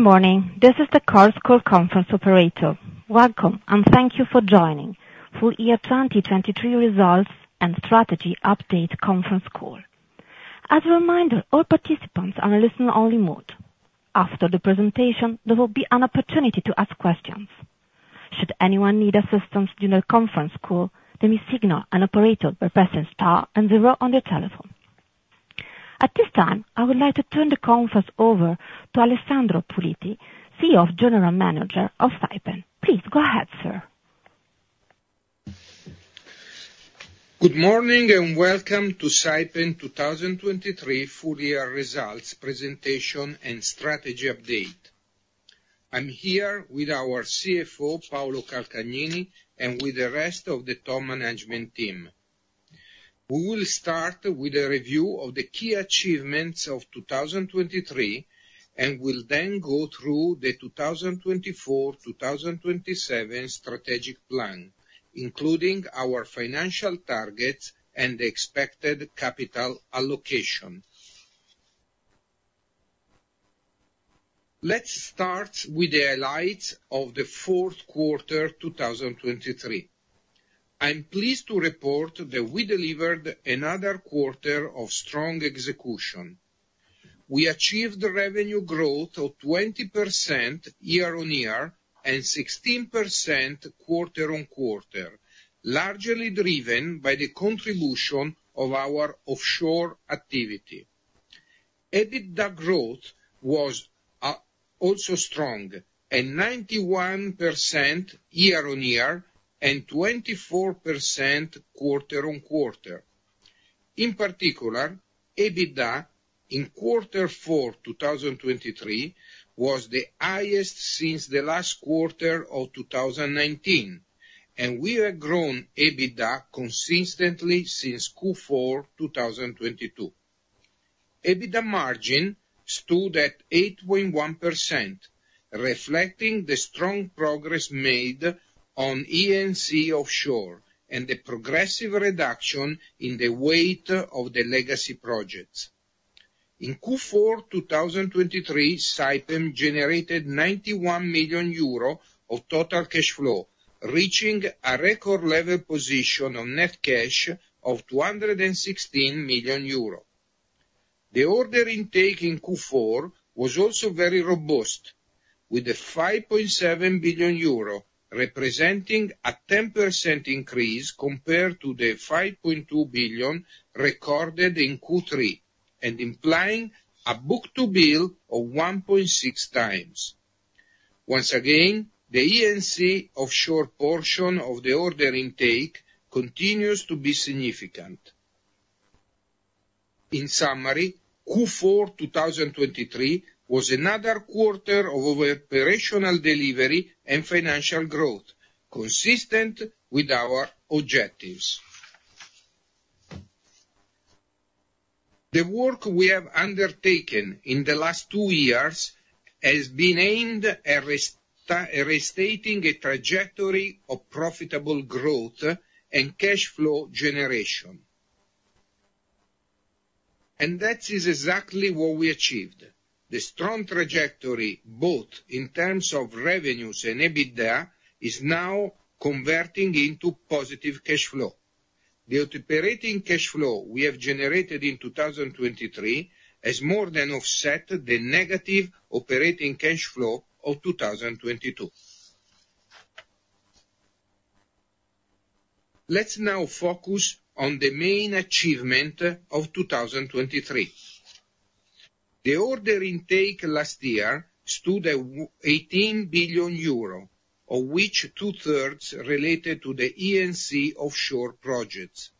Good morning, this is the conference operator. Welcome, and thank you for joining for 2023 Results and Strategy Update Conference Call. As a reminder, all participants are in listen-only mode. After the presentation, there will be an opportunity to ask questions. Should anyone need assistance during the conference call, to signal an operator by pressing star and zero on your telephone. At this time, I would like to turn the conference over to Alessandro Puliti, CEO and General Manager of Saipem. Please go ahead, sir. Good morning and welcome to Saipem 2023 Full Year Results Presentation and Strategy Update. I'm here with our CFO, Paolo Calcagnini, and with the rest of the top management team. We will start with a review of the key achievements of 2023, and we'll then go through the 2024-2027 strategic plan, including our financial targets and the expected capital allocation. Let's start with the highlights of the fourth quarter 2023. I'm pleased to report that we delivered another quarter of strong execution. We achieved revenue growth of 20% year-on-year and 16% quarter-on-quarter, largely driven by the contribution of our offshore activity. EBITDA growth was also strong, at 91% year-on-year and 24% quarter-on-quarter. In particular, EBITDA in quarter four 2023 was the highest since the last quarter of 2019, and we have grown EBITDA consistently since Q4 2022. EBITDA margin stood at 8.1%, reflecting the strong progress made on E&C offshore and the progressive reduction in the weight of the legacy projects. In Q4 2023, Saipem generated 91 million euro of total cash flow, reaching a record-level position of net cash of 216 million euro. The order intake in Q4 was also very robust, with 5.7 billion euro representing a 10% increase compared to the 5.2 billion recorded in Q3, and implying a book-to-bill of 1.6x. Once again, the E&C offshore portion of the order intake continues to be significant. In summary, Q4 2023 was another quarter of operational delivery and financial growth, consistent with our objectives. The work we have undertaken in the last two years has been aimed at restating a trajectory of profitable growth and cash flow generation. That is exactly what we achieved: the strong trajectory, both in terms of revenues and EBITDA, is now converting into positive cash flow. The operating cash flow we have generated in 2023 has more than offset the negative operating cash flow of 2022. Let's now focus on the main achievement of 2023. The order intake last year stood at 18 billion euro, of which two-thirds related to the E&C offshore projects.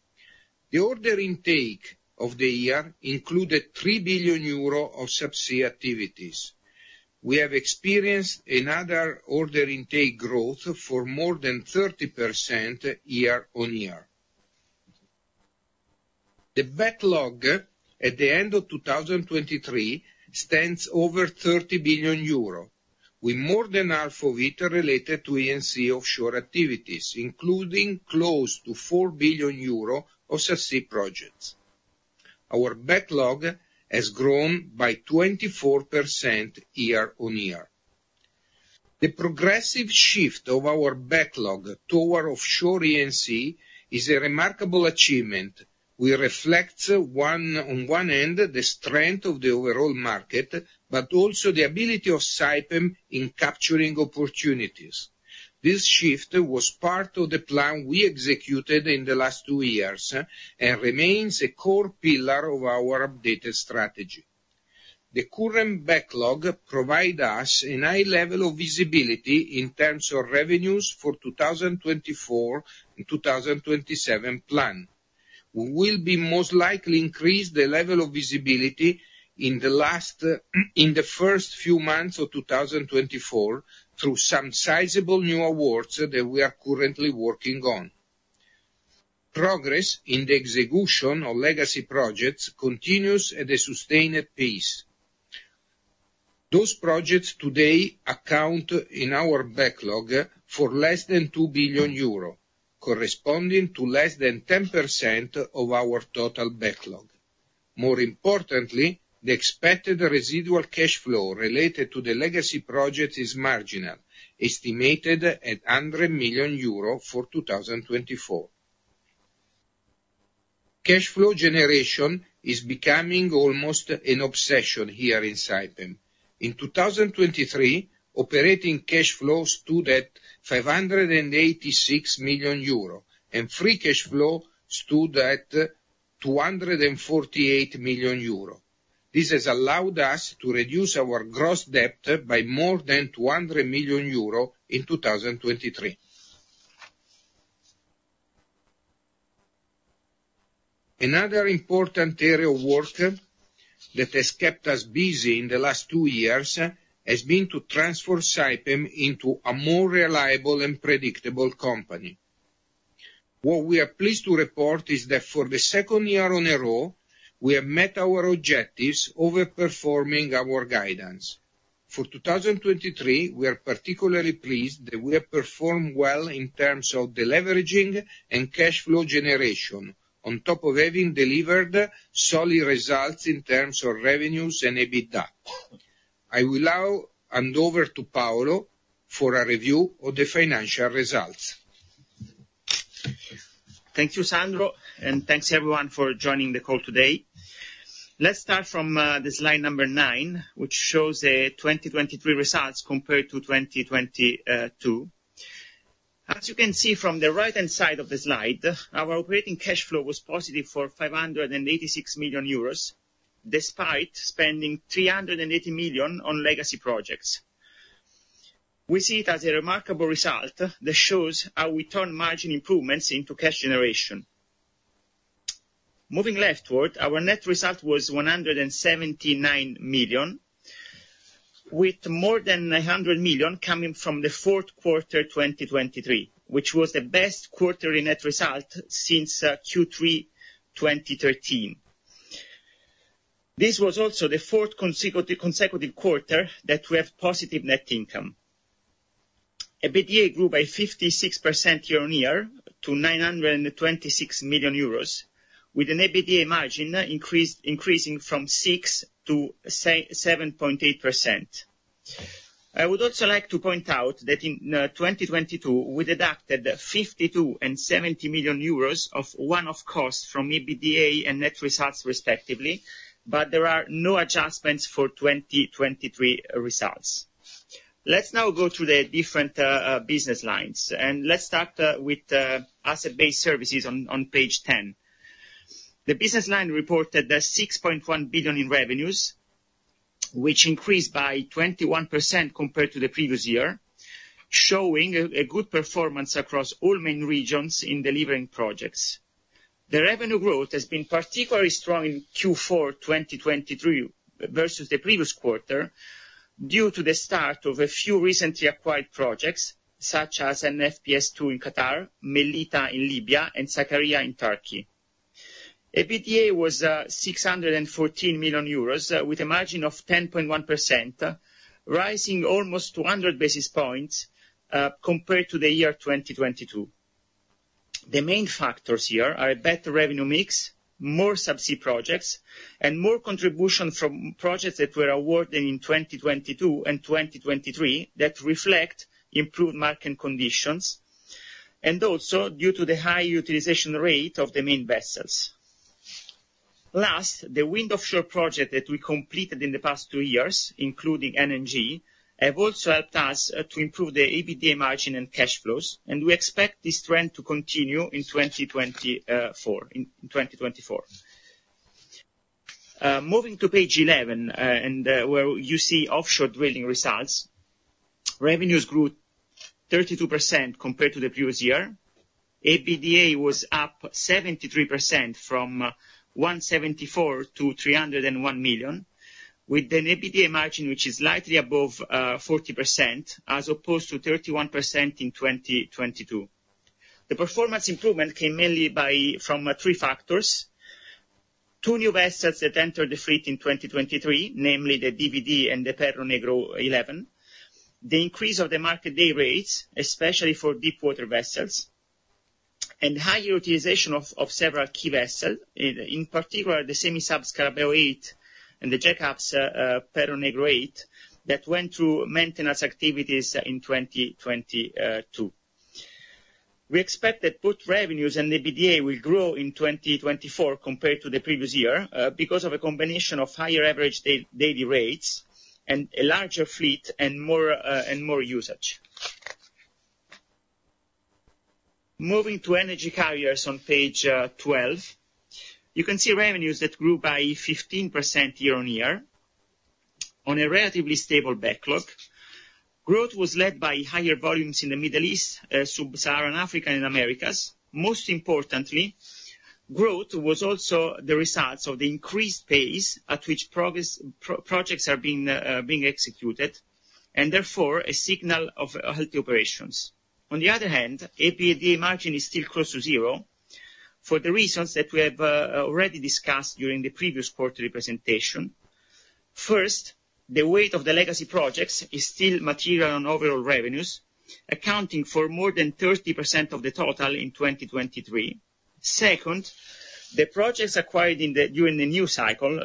The order intake of the year included 3 billion euro of subsea activities. We have experienced another order intake growth for more than 30% year-on-year. The backlog at the end of 2023 stands over 30 billion euro, with more than half of it related to E&C offshore activities, including close to 4 billion euro of subsea projects. Our backlog has grown by 24% year-on-year. The progressive shift of our backlog toward offshore E&C is a remarkable achievement, which reflects, on one end, the strength of the overall market but also the ability of Saipem in capturing opportunities. This shift was part of the plan we executed in the last two years and remains a core pillar of our updated strategy. The current backlog provides us a high level of visibility in terms of revenues for the 2024-2027 plan. We will most likely increase the level of visibility in the first few months of 2024 through some sizable new awards that we are currently working on. Progress in the execution of legacy projects continues at a sustained pace. Those projects today account, in our backlog, for less than 2 billion euro, corresponding to less than 10% of our total backlog. More importantly, the expected residual cash flow related to the legacy projects is marginal, estimated at 100 million euro for 2024. Cash flow generation is becoming almost an obsession here in Saipem. In 2023, operating cash flow stood at 586 million euro, and free cash flow stood at 248 million euro. This has allowed us to reduce our gross debt by more than 200 million euro in 2023. Another important area of work that has kept us busy in the last two years has been to transform Saipem into a more reliable and predictable company. What we are pleased to report is that for the second year in a row, we have met our objectives overperforming our guidance. For 2023, we are particularly pleased that we have performed well in terms of the leveraging and cash flow generation, on top of having delivered solid results in terms of revenues and EBITDA. I will now hand over to Paolo for a review of the financial results. Thank you, Sandro, and thanks everyone for joining the call today. Let's start from slide number nine, which shows the 2023 results compared to 2022. As you can see from the right-hand side of the slide, our operating cash flow was positive 586 million euros, despite spending 380 million on legacy projects. We see it as a remarkable result that shows how we turn margin improvements into cash generation. Moving leftward, our net result was 179 million, with more than 100 million coming from the fourth quarter 2023, which was the best quarterly net result since Q3 2013. This was also the fourth consecutive quarter that we have positive net income. EBITDA grew by 56% year-on-year to 926 million euros, with an EBITDA margin increasing from 6%-7.8%. I would also like to point out that in 2022, we deducted 52.7 million euros of one-off costs from EBITDA and net results, respectively, but there are no adjustments for 2023 results. Let's now go through the different business lines, and let's start with Asset-Based Services on page 10. The business line reported 6.1 billion in revenues, which increased by 21% compared to the previous year, showing a good performance across all main regions in delivering projects. The revenue growth has been particularly strong in Q4 2023 versus the previous quarter due to the start of a few recently acquired projects, such as NFPS2 in Qatar, Mellitah in Libya, and Sakarya in Turkey. EBITDA was 614 million euros, with a margin of 10.1%, rising almost 200 basis points compared to the year 2022. The main factors here are a better revenue mix, more subsea projects, and more contribution from projects that were awarded in 2022 and 2023 that reflect improved market conditions, and also due to the high utilization rate of the main vessels. Last, the wind offshore project that we completed in the past two years, including NNG, have also helped us to improve the EBITDA margin and cash flows, and we expect this trend to continue in 2024. Moving to page 11, where you see offshore drilling results, revenues grew 32% compared to the previous year. EBITDA was up 73% from 174 million to 301 million, with an EBITDA margin which is slightly above 40%, as opposed to 31% in 2022. The performance improvement came mainly from three factors: two new vessels that entered the fleet in 2023, namely the DVD and the Perro Negro 11; the increase of the market day rates, especially for deep-water vessels; and higher utilization of several key vessels, in particular the semi-sub Scarabeo 8 and the jackup Perro Negro 8, that went through maintenance activities in 2022. We expect that both revenues and EBITDA will grow in 2024 compared to the previous year because of a combination of higher average daily rates and a larger fleet and more usage. Moving to Energy Carriers on page 12, you can see revenues that grew by 15% year-on-year on a relatively stable backlog. Growth was led by higher volumes in the Middle East, Sub-Saharan Africa, and Americas. Most importantly, growth was also the results of the increased pace at which projects are being executed, and therefore, a signal of healthy operations. On the other hand, EBITDA margin is still close to zero for the reasons that we have already discussed during the previous quarterly presentation. First, the weight of the legacy projects is still material on overall revenues, accounting for more than 30% of the total in 2023. Second, the projects acquired during the new cycle,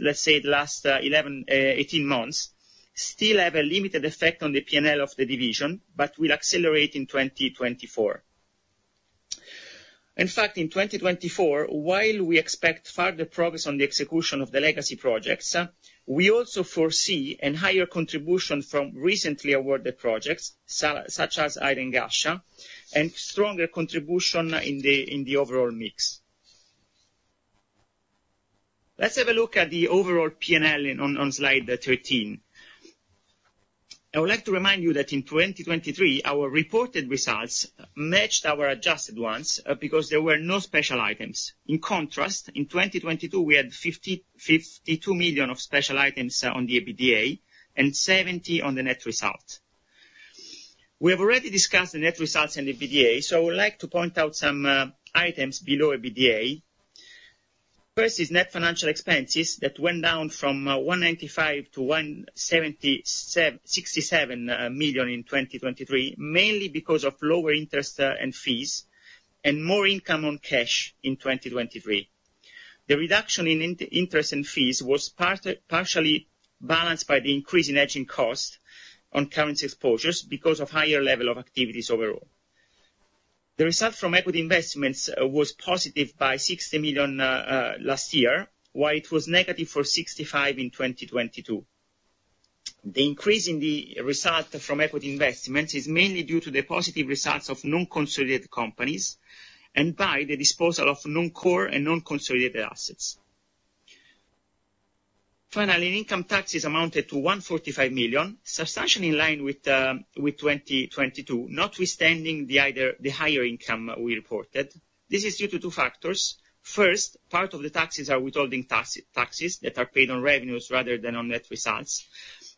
let's say the last 18 months, still have a limited effect on the P&L of the division but will accelerate in 2024. In fact, in 2024, while we expect further progress on the execution of the legacy projects, we also foresee a higher contribution from recently awarded projects, such as Hail and Ghasha, and stronger contribution in the overall mix. Let's have a look at the overall P&L on slide 13. I would like to remind you that in 2023, our reported results matched our adjusted ones because there were no special items. In contrast, in 2022, we had 52 million of special items on the EBITDA and 70 million on the net result. We have already discussed the net results and EBITDA, so I would like to point out some items below EBITDA. First is net financial expenses that went down from 195 million to 167 million in 2023, mainly because of lower interest and fees and more income on cash in 2023. The reduction in interest and fees was partially balanced by the increase in hedging costs on currency exposures because of higher level of activities overall. The result from equity investments was positive by 60 million last year, while it was negative for 65 million in 2022. The increase in the result from equity investments is mainly due to the positive results of non-consolidated companies and by the disposal of non-core and non-consolidated assets. Finally, income taxes amounted to 145 million, substantially in line with 2022, notwithstanding the higher income we reported. This is due to two factors. First, part of the taxes are withholding taxes that are paid on revenues rather than on net results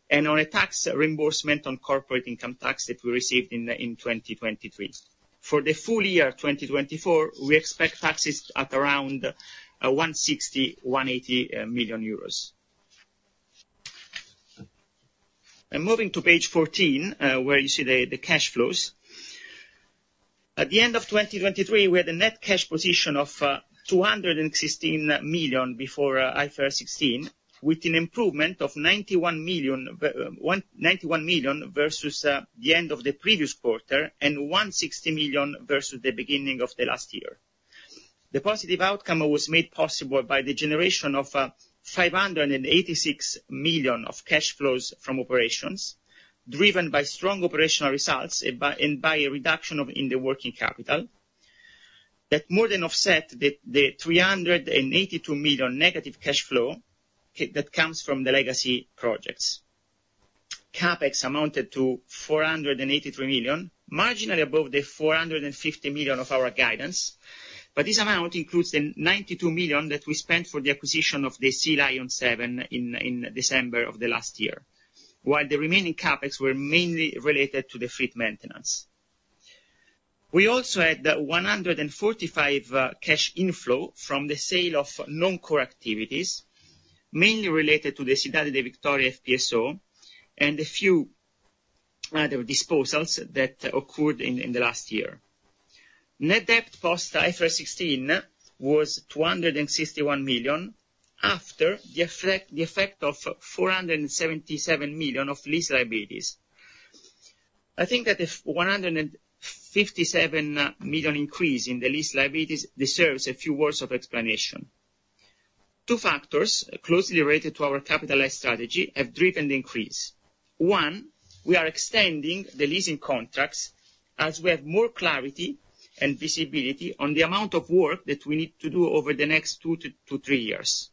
and on a tax reimbursement on corporate income tax that we received in 2023. For the full year 2024, we expect taxes at around 160 million-180 million euros. Moving to page 14, where you see the cash flows. At the end of 2023, we had a net cash position of 216 million before IFRS 16, with an improvement of 91 million versus the end of the previous quarter and 160 million versus the beginning of the last year. The positive outcome was made possible by the generation of 586 million of cash flows from operations, driven by strong operational results and by a reduction in the working capital that more than offset the 382 million negative cash flow that comes from the legacy projects. CapEx amounted to 483 million, marginally above the 450 million of our guidance, but this amount includes the 92 million that we spent for the acquisition of the Sea Lion 7 in December of the last year, while the remaining CapEx were mainly related to the fleet maintenance. We also had 145 million cash inflow from the sale of non-core activities, mainly related to the Cidade da Vitória FPSO and a few other disposals that occurred in the last year. Net debt post IFRS 16 was 261 million after the effect of 477 million of lease liabilities. I think that the 157 million increase in the lease liabilities deserves a few words of explanation. Two factors closely related to our capital-light strategy have driven the increase. One, we are extending the leasing contracts as we have more clarity and visibility on the amount of work that we need to do over the next two to three years.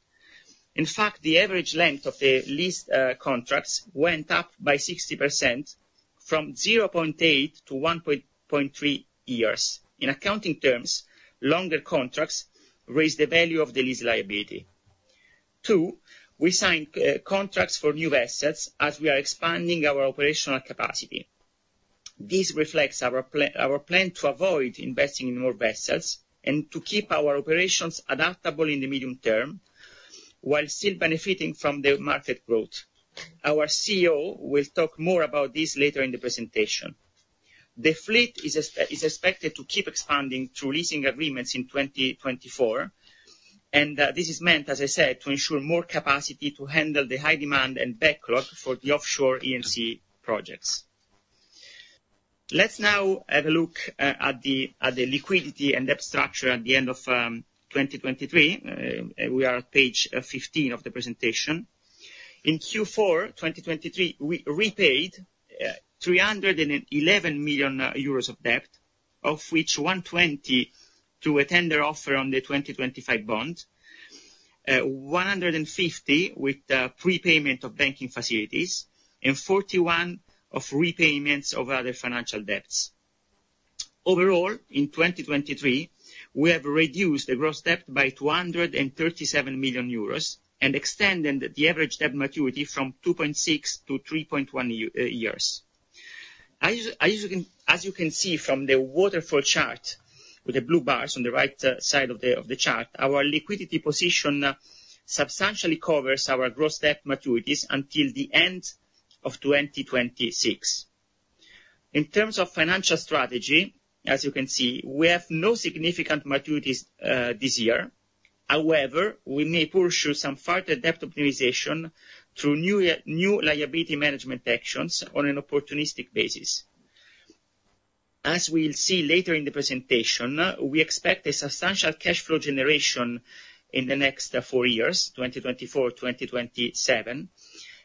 In fact, the average length of the lease contracts went up by 60% from 0.8-1.3 years. In accounting terms, longer contracts raise the value of the lease liability. Two, we signed contracts for new vessels as we are expanding our operational capacity. This reflects our plan to avoid investing in more vessels and to keep our operations adaptable in the medium term while still benefiting from the market growth. Our CEO will talk more about this later in the presentation. The fleet is expected to keep expanding through leasing agreements in 2024, and this is meant, as I said, to ensure more capacity to handle the high demand and backlog for the offshore E&C projects. Let's now have a look at the liquidity and debt structure at the end of 2023. We are at page 15 of the presentation. In Q4 2023, we repaid 311 million euros of debt, of which 120 million through a tender offer on the 2025 bond, 150 million with prepayment of banking facilities, and 41 million of repayments of other financial debts. Overall, in 2023, we have reduced the gross debt by 237 million euros and extended the average debt maturity from 2.6-3.1 years. As you can see from the waterfall chart with the blue bars on the right side of the chart, our liquidity position substantially covers our gross debt maturities until the end of 2026. In terms of financial strategy, as you can see, we have no significant maturities this year. However, we may pursue some further debt optimization through new liability management actions on an opportunistic basis. As we'll see later in the presentation, we expect a substantial cash flow generation in the next four years, 2024, 2027,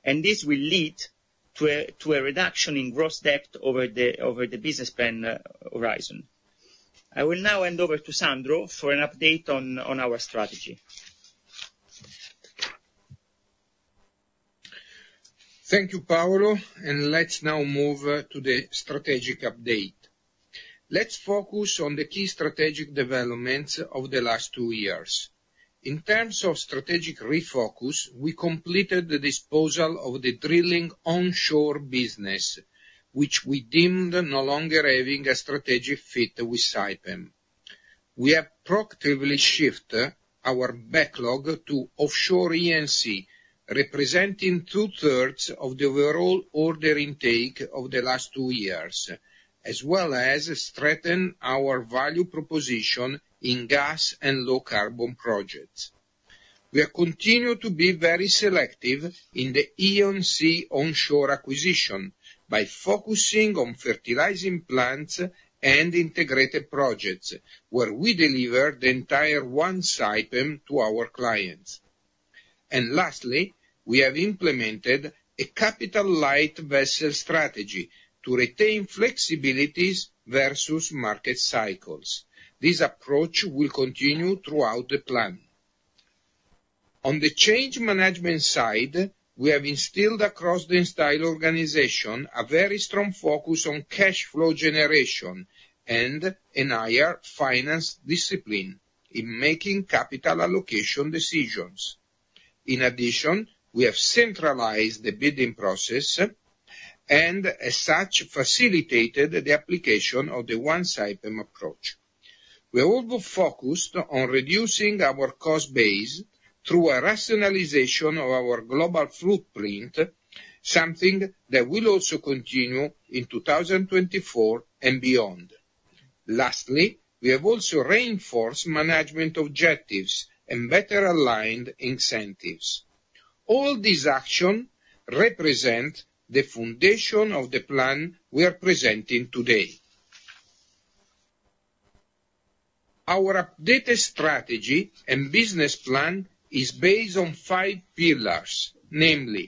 and this will lead to a reduction in gross debt over the business plan horizon. I will now hand over to Sandro for an update on our strategy. Thank you, Paolo. Let's now move to the strategic update. Let's focus on the key strategic developments of the last two years. In terms of strategic refocus, we completed the disposal of the drilling onshore business, which we deemed no longer having a strategic fit with Saipem. We have proactively shifted our backlog to offshore E&C, representing 2/3 of the overall order intake of the last two years, as well as strengthened our value proposition in gas and low-carbon projects. We have continued to be very selective in the E&C onshore acquisition by focusing on fertilizer plants and integrated projects, where we deliver the entire One Saipem to our clients. Lastly, we have implemented a Capital Light vessel strategy to retain flexibilities versus market cycles. This approach will continue throughout the plan. On the change management side, we have instilled across the entire organization a very strong focus on cash flow generation and a higher finance discipline in making capital allocation decisions. In addition, we have centralized the bidding process, and as such, facilitated the application of the One Saipem approach. We have also focused on reducing our cost base through a rationalization of our global footprint, something that will also continue in 2024 and beyond. Lastly, we have also reinforced management objectives and better aligned incentives. All these actions represent the foundation of the plan we are presenting today. Our updated strategy and business plan is based on five pillars, namely: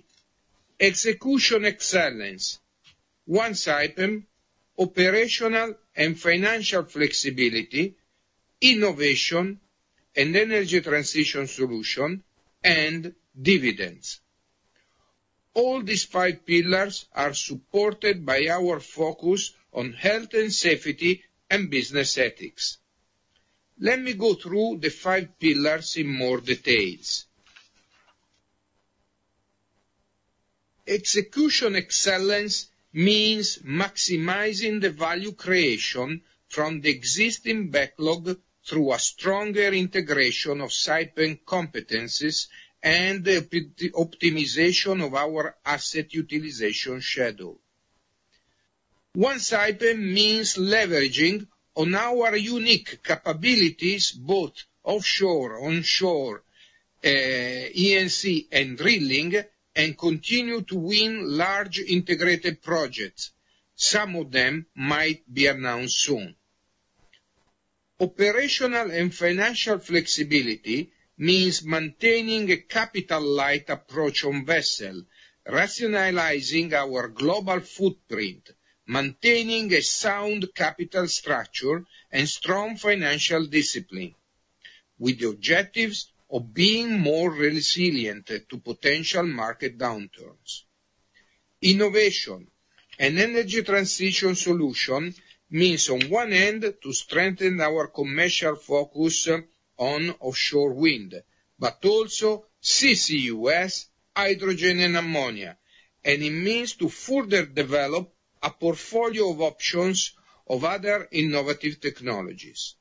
execution excellence, One Saipem, One Saipem, operational and financial flexibility, innovation and energy transition solution, and dividends. All these five pillars are supported by our focus on health and safety and business ethics. Let me go through the five pillars in more details. Execution excellence means maximizing the value creation from the existing backlog through a stronger integration of Saipem competencies and the optimization of our asset utilization schedule. One Saipem means leveraging on our unique capabilities, both offshore, onshore, E&C, and drilling, and continue to win large integrated projects. Some of them might be announced soon. Operational and financial flexibility means maintaining a capital light approach on vessel, rationalizing our global footprint, maintaining a sound capital structure, and strong financial discipline with the objectives of being more resilient to potential market downturns. Innovation and energy transition solution means, on one end, to strengthen our commercial focus on offshore wind but also CCUS, hydrogen, and ammonia, and it means to further develop a portfolio of options of other innovative technologies.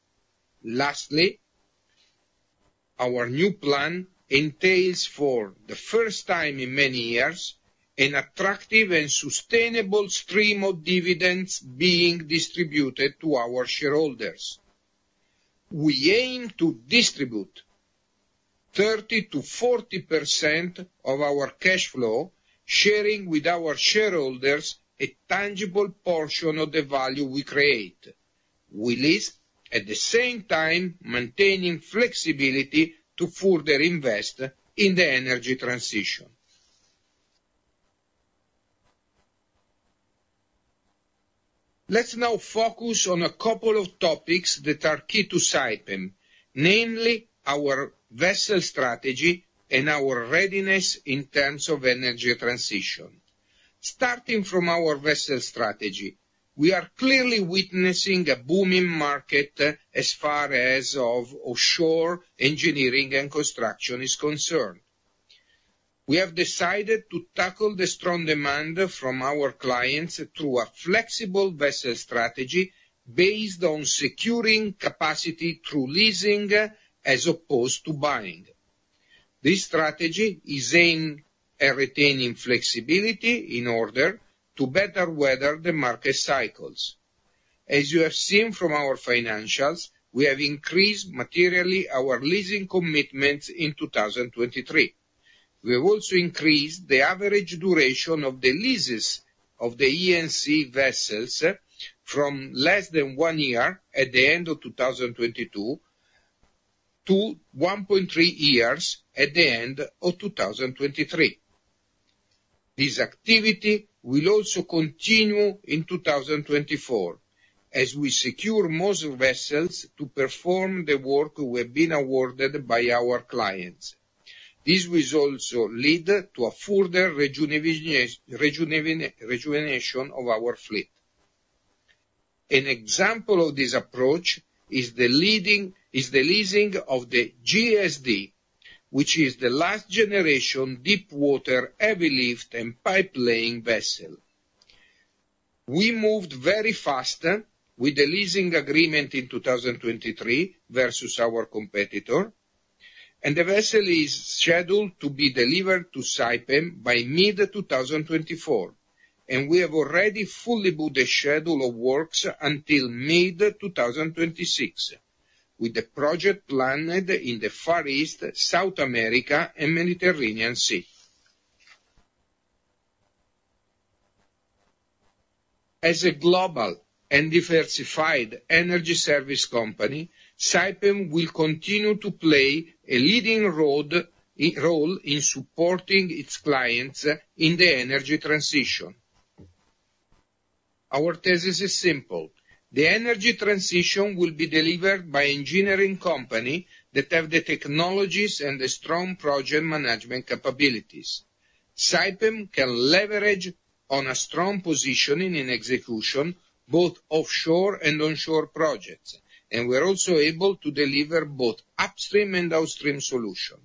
Lastly, our new plan entails, for the first time in many years, an attractive and sustainable stream of dividends being distributed to our shareholders. We aim to distribute 30%-40% of our cash flow, sharing with our shareholders a tangible portion of the value we create, while at the same time maintaining flexibility to further invest in the energy transition. Let's now focus on a couple of topics that are key to Saipem, namely our vessel strategy and our readiness in terms of energy transition. Starting from our vessel strategy, we are clearly witnessing a booming market as far as offshore engineering and construction is concerned. We have decided to tackle the strong demand from our clients through a flexible vessel strategy based on securing capacity through leasing as opposed to buying. This strategy is aimed at retaining flexibility in order to better weather the market cycles. As you have seen from our financials, we have increased materially our leasing commitments in 2023. We have also increased the average duration of the leases of the E&C vessels from less than one year at the end of 2022 to 1.3 years at the end of 2023. This activity will also continue in 2024 as we secure more vessels to perform the work we have been awarded by our clients. This will also lead to a further rejuvenation of our fleet. An example of this approach is the leasing of the JSD, which is the last generation deep-water heavy-lift and pipe-laying vessel. We moved very fast with the leasing agreement in 2023 versus our competitor, and the vessel is scheduled to be delivered to Saipem by mid-2024, and we have already fully booked the schedule of works until mid-2026 with the project planned in the Far East, South America, and Mediterranean Sea. As a global and diversified energy service company, Saipem will continue to play a leading role in supporting its clients in the energy transition. Our thesis is simple: the energy transition will be delivered by engineering companies that have the technologies and the strong project management capabilities. Saipem can leverage on a strong positioning in execution both offshore and onshore projects, and we are also able to deliver both upstream and downstream solutions.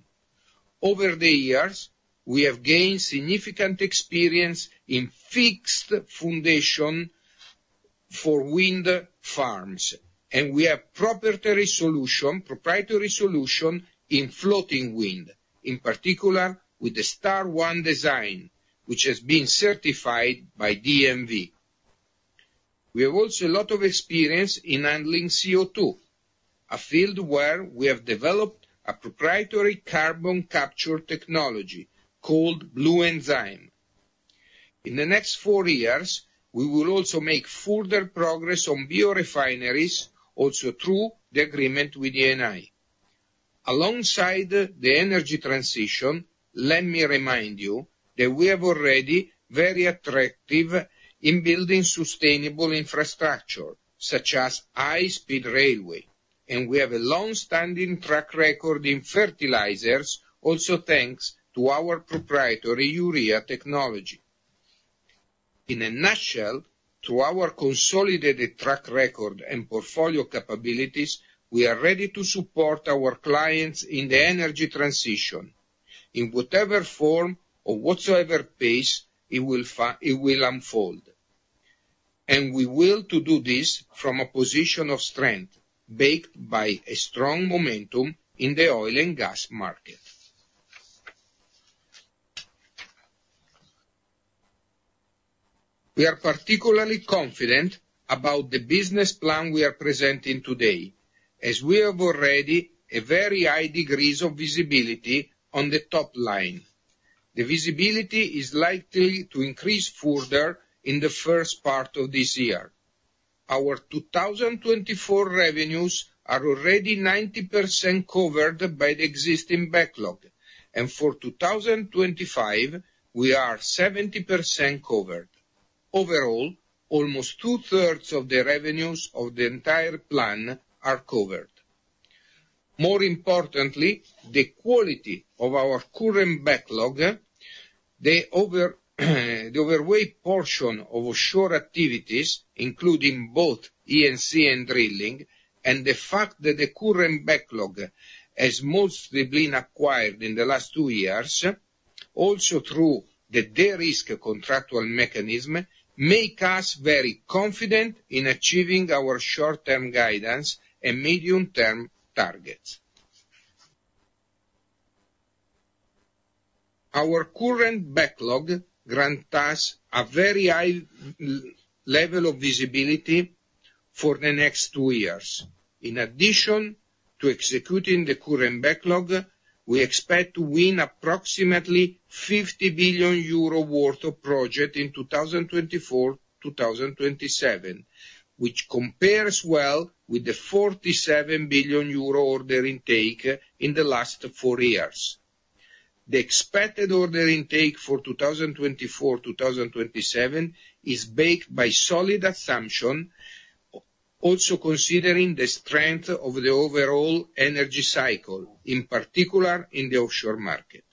Over the years, we have gained significant experience in fixed foundation for wind farms, and we have proprietary solutions in floating wind, in particular with the STAR1 design, which has been certified by DNV. We have also a lot of experience in handling CO2, a field where we have developed a proprietary carbon capture technology called Bluenzyme. In the next four years, we will also make further progress on biorefineries, also through the agreement with Eni. Alongside the energy transition, let me remind you that we have already been very attractive in building sustainable infrastructure, such as high-speed railway, and we have a long-standing track record in fertilizers, also thanks to our proprietary urea technology. In a nutshell, through our consolidated track record and portfolio capabilities, we are ready to support our clients in the energy transition in whatever form or whatsoever pace it will unfold. We will do this from a position of strength backed by a strong momentum in the oil and gas market. We are particularly confident about the business plan we are presenting today, as we have already a very high degree of visibility on the top line. The visibility is likely to increase further in the first part of this year. Our 2024 revenues are already 90% covered by the existing backlog, and for 2025, we are 70% covered. Overall, almost 2/3 of the revenues of the entire plan are covered. More importantly, the quality of our current backlog, the overweight portion of offshore activities including both E&C and drilling, and the fact that the current backlog has mostly been acquired in the last two years, also through the de-risk contractual mechanism, make us very confident in achieving our short-term guidance and medium-term targets. Our current backlog grants us a very high level of visibility for the next two years. In addition to executing the current backlog, we expect to win approximately 50 billion euro worth of projects in 2024-2027, which compares well with the 47 billion euro order intake in the last four years. The expected order intake for 2024-2027 is backed by solid assumptions, also considering the strength of the overall energy cycle, in particular in the offshore market.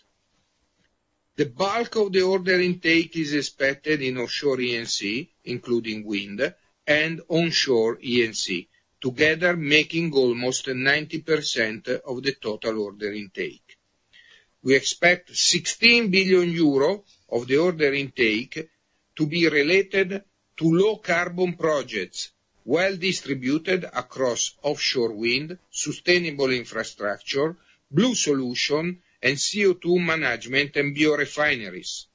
The bulk of the order intake is expected in offshore E&C, including wind, and onshore E&C, together making almost 90% of the total order intake. We expect 16 billion euro of the order intake to be related to low-carbon projects well distributed across offshore wind, sustainable infrastructure, blue solution, and CO2 management and biorefineries.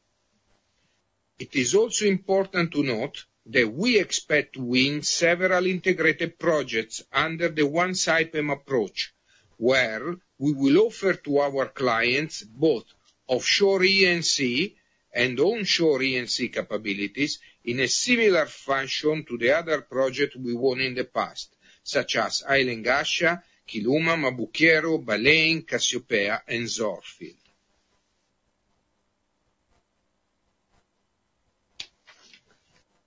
It is also important to note that we expect to win several integrated projects under the One Saipem approach, where we will offer to our clients both offshore E&C and onshore E&C capabilities in a similar function to the other projects we won in the past, such as Island Gascia, Quiluma, Maboqueiro, Baleine, Cassiopea, and Zohr field.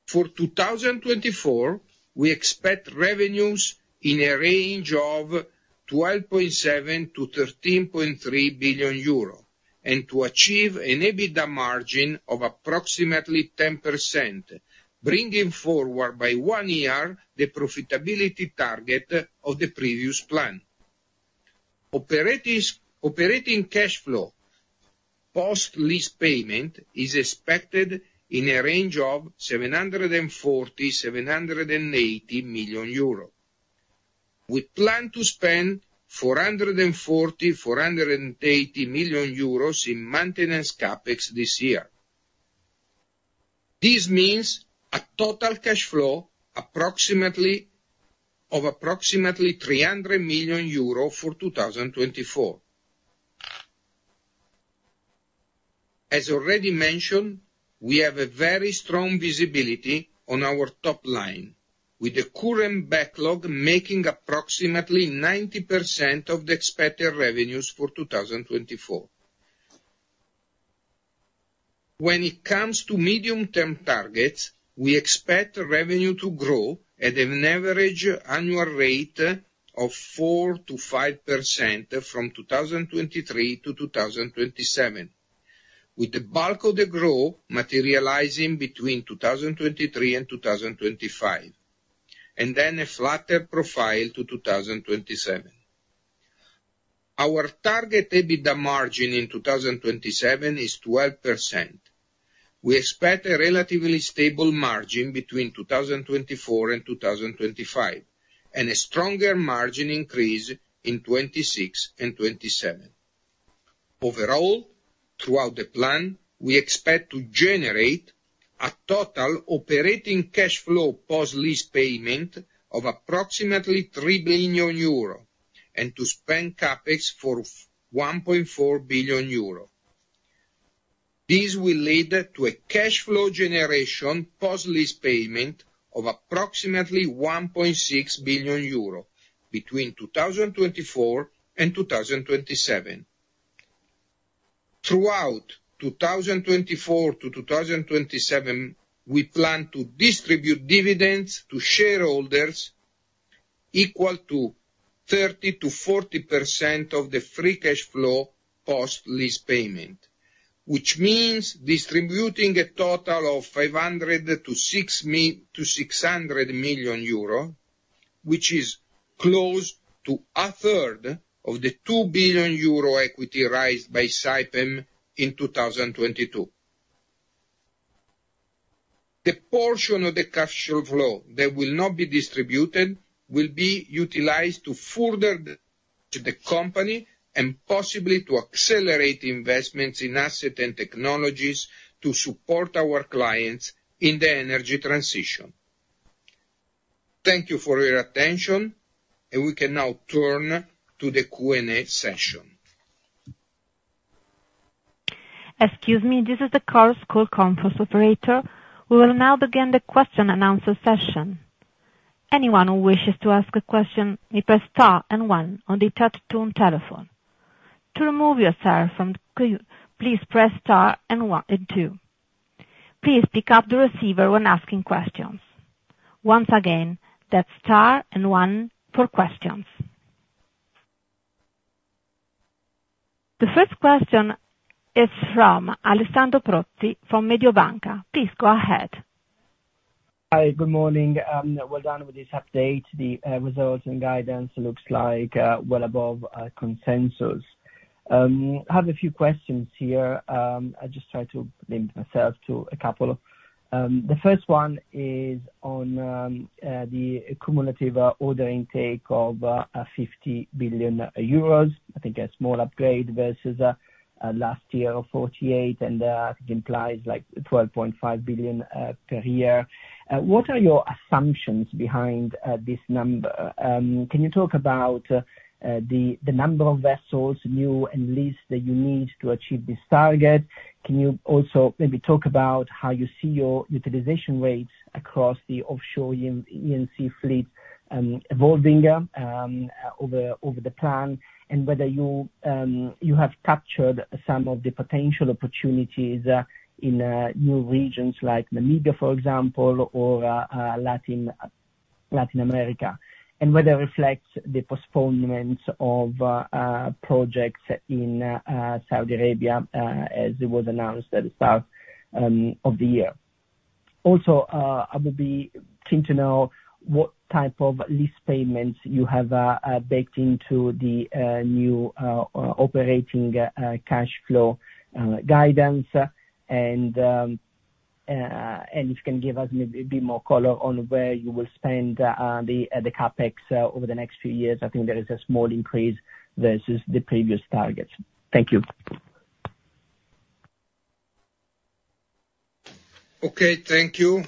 For 2024, we expect revenues in a range of 12.7 billion-13.3 billion euro and to achieve an EBITDA margin of approximately 10%, bringing forward by one year the profitability target of the previous plan. Operating cash flow post-lease payment is expected in a range of 740 million-780 million euro. We plan to spend 440 million-480 million euros in maintenance CapEx this year. This means a total cash flow of approximately 300 million euro for 2024. As already mentioned, we have a very strong visibility on our top line, with the current backlog making approximately 90% of the expected revenues for 2024. When it comes to medium-term targets, we expect revenue to grow at an average annual rate of 4%-5% from 2023 to 2027, with the bulk of the growth materializing between 2023 and 2025, and then a flatter profile to 2027. Our target EBITDA margin in 2027 is 12%. We expect a relatively stable margin between 2024 and 2025, and a stronger margin increase in 2026 and 2027. Overall, throughout the plan, we expect to generate a total operating cash flow post-lease payment of approximately 3 billion euro and to spend CapEx for 1.4 billion euro. This will lead to a cash flow generation post-lease payment of approximately 1.6 billion euro between 2024 and 2027. Throughout 2024-2027, we plan to distribute dividends to shareholders equal to 30%-40% of the free cash flow post-lease payment, which means distributing a total of 500 million-600 million euro, which is close to a 1/3 of the 2 billion euro equity raised by Saipem in 2022. The portion of the cash flow that will not be distributed will be utilized to further benefit the company and possibly to accelerate investments in assets and technologies to support our clients in the energy transition. Thank you for your attention, and we can now turn to the Q&A session. Excuse me, this is the conference call operator. We will now begin the question-and-answer session. Anyone who wishes to ask a question may press *1 on the touch-tone telephone. To remove yourself from the call, please press *2. Please pick up the receiver when asking questions. Once again, that's *1 for questions. The first question is from Alessandro Pozzi from Mediobanca. Please go ahead. Hi, good morning. Well done with this update. The results and guidance look like well above consensus. I have a few questions here. I'll just try to limit myself to a couple. The first one is on the cumulative order intake of 50 billion euros. I think a small upgrade versus last year of 48 billion, and that implies 12.5 billion per year. What are your assumptions behind this number? Can you talk about the number of vessels, new and leased, that you need to achieve this target? Can you also maybe talk about how you see your utilization rates across the offshore E&C fleet evolving over the plan, and whether you have captured some of the potential opportunities in new regions like Namibia, for example, or Latin America, and whether it reflects the postponements of projects in Saudi Arabia as it was announced at the start of the year. Also, I would be keen to know what type of lease payments you have baked into the new operating cash flow guidance, and if you can give us maybe a bit more color on where you will spend the CapEx over the next few years. I think there is a small increase versus the previous targets. Thank you. Okay, thank you.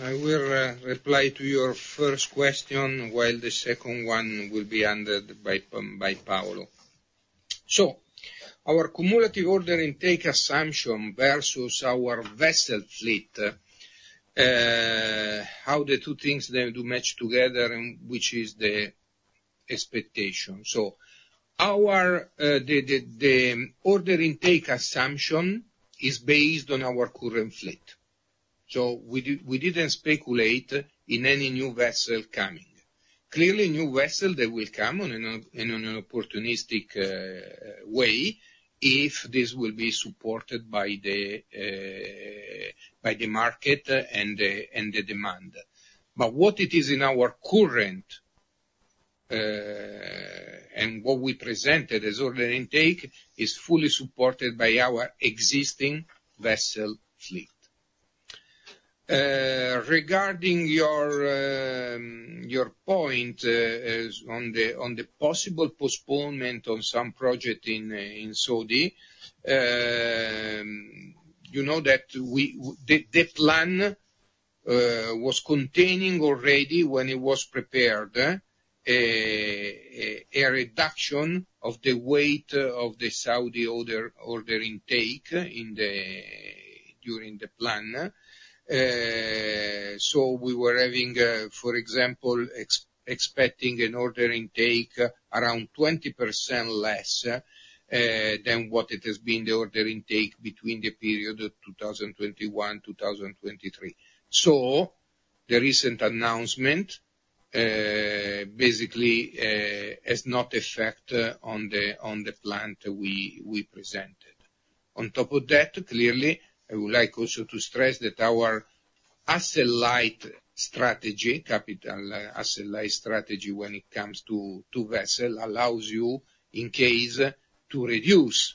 I will reply to your first question while the second one will be handled by Paolo. So, our cumulative order intake assumption versus our vessel fleet, how the two things do match together, which is the expectation. So, the order intake assumption is based on our current fleet. So, we didn't speculate in any new vessel coming. Clearly, new vessels, they will come in an opportunistic way if this will be supported by the market and the demand. But what it is in our current and what we presented as order intake is fully supported by our existing vessel fleet. Regarding your point on the possible postponement on some project in Saudi, you know that the plan was containing already when it was prepared a reduction of the weight of the Saudi order intake during the plan. So, we were having, for example, expecting an order intake around 20% less than what it has been the order intake between the period of 2021-2023. So, the recent announcement basically has no effect on the plan that we presented. On top of that, clearly, I would like also to stress that our asset-light strategy, capital asset-light strategy when it comes to vessel, allows you in case to reduce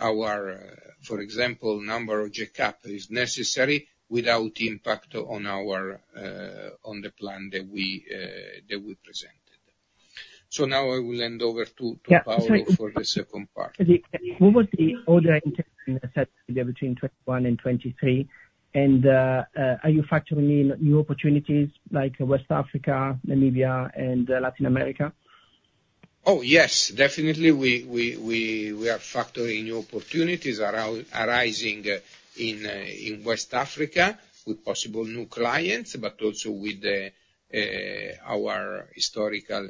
our, for example, number of jackups if necessary without impact on the plan that we presented. So, now I will hand over to Paolo for the second part. What was the order intake in Saudi Arabia between 2021 and 2023? And are you factoring in new opportunities like West Africa, Namibia, and Latin America? Oh, yes. Definitely, we are factoring in new opportunities arising in West Africa with possible new clients, but also with our historical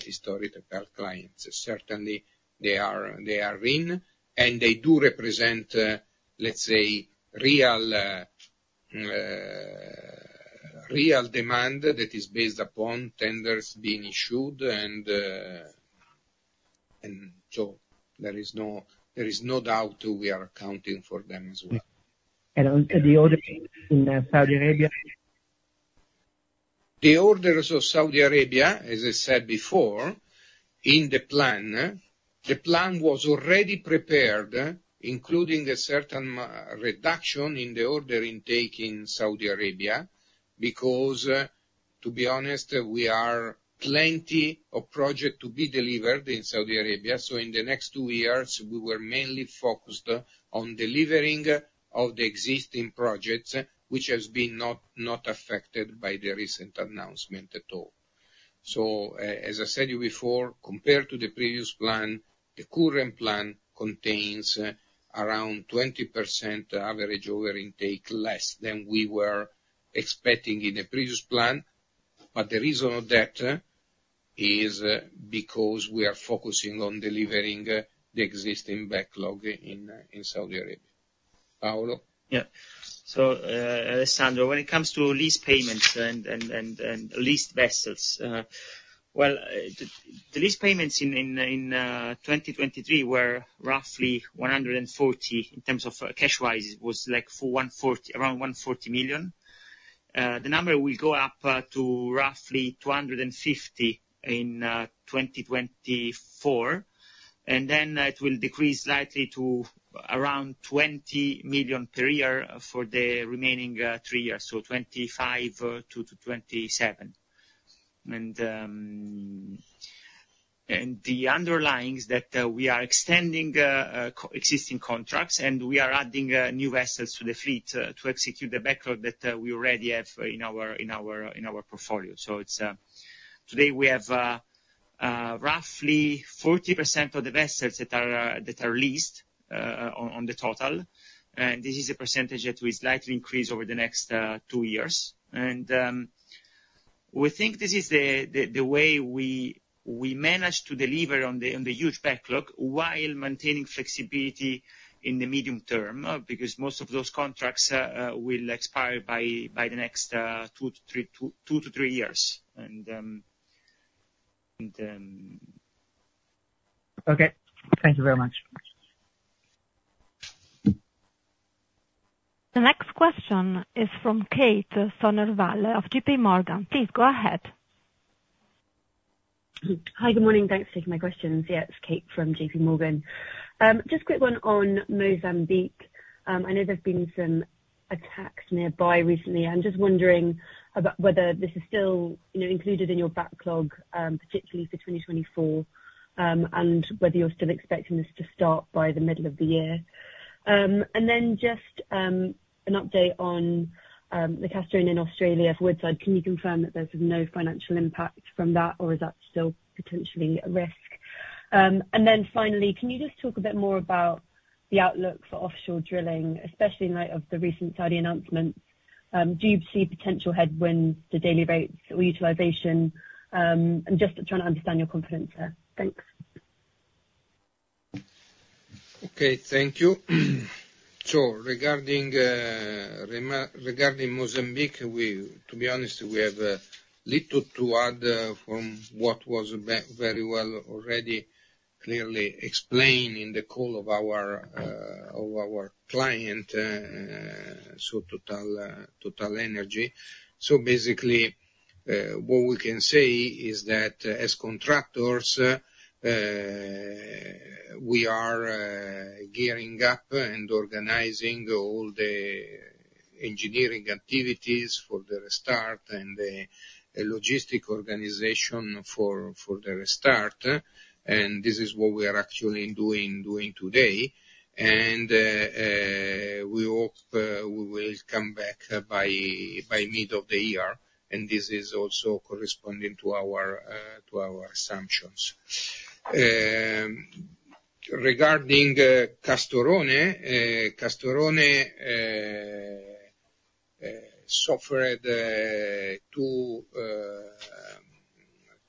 clients. Certainly, they are in, and they do represent, let's say, real demand that is based upon tenders being issued. And so, there is no doubt we are accounting for them as well. The order in Saudi Arabia? The orders of Saudi Arabia, as I said before, in the plan, the plan was already prepared, including a certain reduction in the order intake in Saudi Arabia because, to be honest, we are plenty of projects to be delivered in Saudi Arabia. So, in the next two years, we were mainly focused on delivering of the existing projects, which has been not affected by the recent announcement at all. So, as I said you before, compared to the previous plan, the current plan contains around 20% average order intake less than we were expecting in the previous plan. But the reason of that is because we are focusing on delivering the existing backlog in Saudi Arabia. Paolo? Yeah. So, Alessandro, when it comes to lease payments and leased vessels, well, the lease payments in 2023 were roughly 140 million in terms of cash-wise, it was around 140 million. The number will go up to roughly 250 million in 2024, and then it will decrease slightly to around 20 million per year for the remaining three years, so 2025-2027. And the underlying is that we are extending existing contracts, and we are adding new vessels to the fleet to execute the backlog that we already have in our portfolio. So, today, we have roughly 40% of the vessels that are leased on the total. And this is a percentage that will slightly increase over the next two years. We think this is the way we manage to deliver on the huge backlog while maintaining flexibility in the medium term because most of those contracts will expire by the next 2-3 years. Okay. Thank you very much. The next question is from Kate Somervilleof JPMorgan. Please go ahead. Hi, good morning. Thanks for taking my questions. Yeah, it's Kate from JP Morgan. Just quick one on Mozambique. I know there've been some attacks nearby recently. I'm just wondering whether this is still included in your backlog, particularly for 2024, and whether you're still expecting this to start by the middle of the year. And then just an update on the Castorone in Australia for Woodside. Can you confirm that there's no financial impact from that, or is that still potentially a risk? And then finally, can you just talk a bit more about the outlook for offshore drilling, especially in light of the recent Saudi announcements? Do you see potential headwinds, the daily rates, or utilization? I'm just trying to understand your confidence there. Thanks. Okay, thank you. So, regarding Mozambique, to be honest, we have little to add from what was very well already clearly explained in the call of our client, so TotalEnergies. So basically, what we can say is that as contractors, we are gearing up and organizing all the engineering activities for the restart and the logistic organization for the restart. And this is what we are actually doing today. And we hope we will come back by mid of the year. And this is also corresponding to our assumptions. Regarding Castorone, Castorone suffered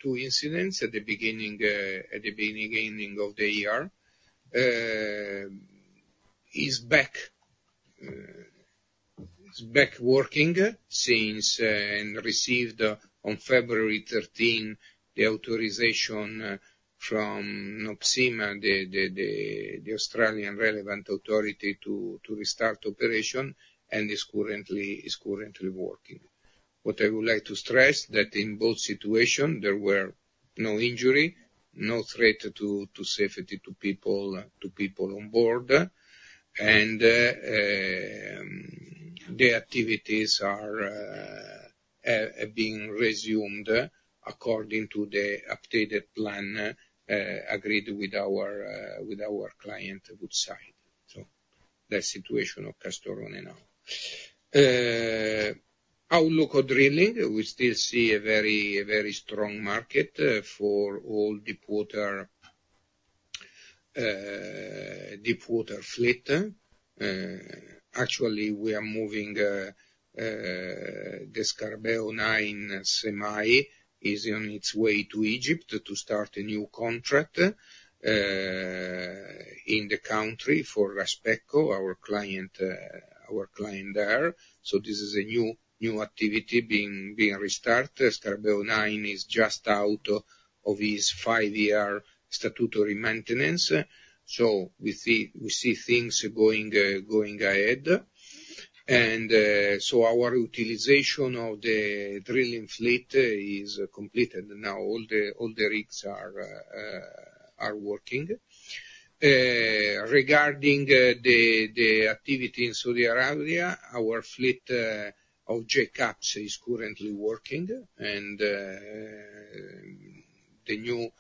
two incidents at the beginning of the year. It's back working since it received on February 13 the authorization from NOPSEMA, the Australian relevant authority, to restart operation, and it's currently working. What I would like to stress is that in both situations, there were no injury, no threat to safety to people on board. The activities are being resumed according to the updated plan agreed with our client, Woodside. So, that's the situation of Castorone now. Outlook of drilling, we still see a very strong market for all deepwater fleet. Actually, we are moving the Scarabeo 9 semi. It's on its way to Egypt to start a new contract in the country for Rashpetco, our client there. So, this is a new activity being restarted. Scarabeo 9 is just out of its five-year statutory maintenance. So, we see things going ahead. And so, our utilization of the drilling fleet is completed now. All the rigs are working. Regarding the activity in Saudi Arabia, our fleet of jackups is currently working. And the new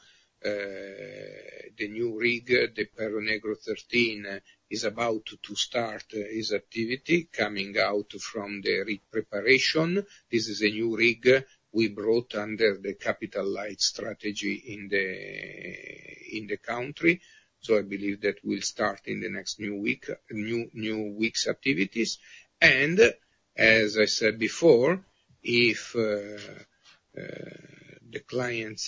rig, the Perro Negro 13, is about to start its activity coming out from the rig preparation. This is a new rig we brought under the Capital Light Strategy in the country. I believe that we'll start in the next new week's activities. As I said before, if the client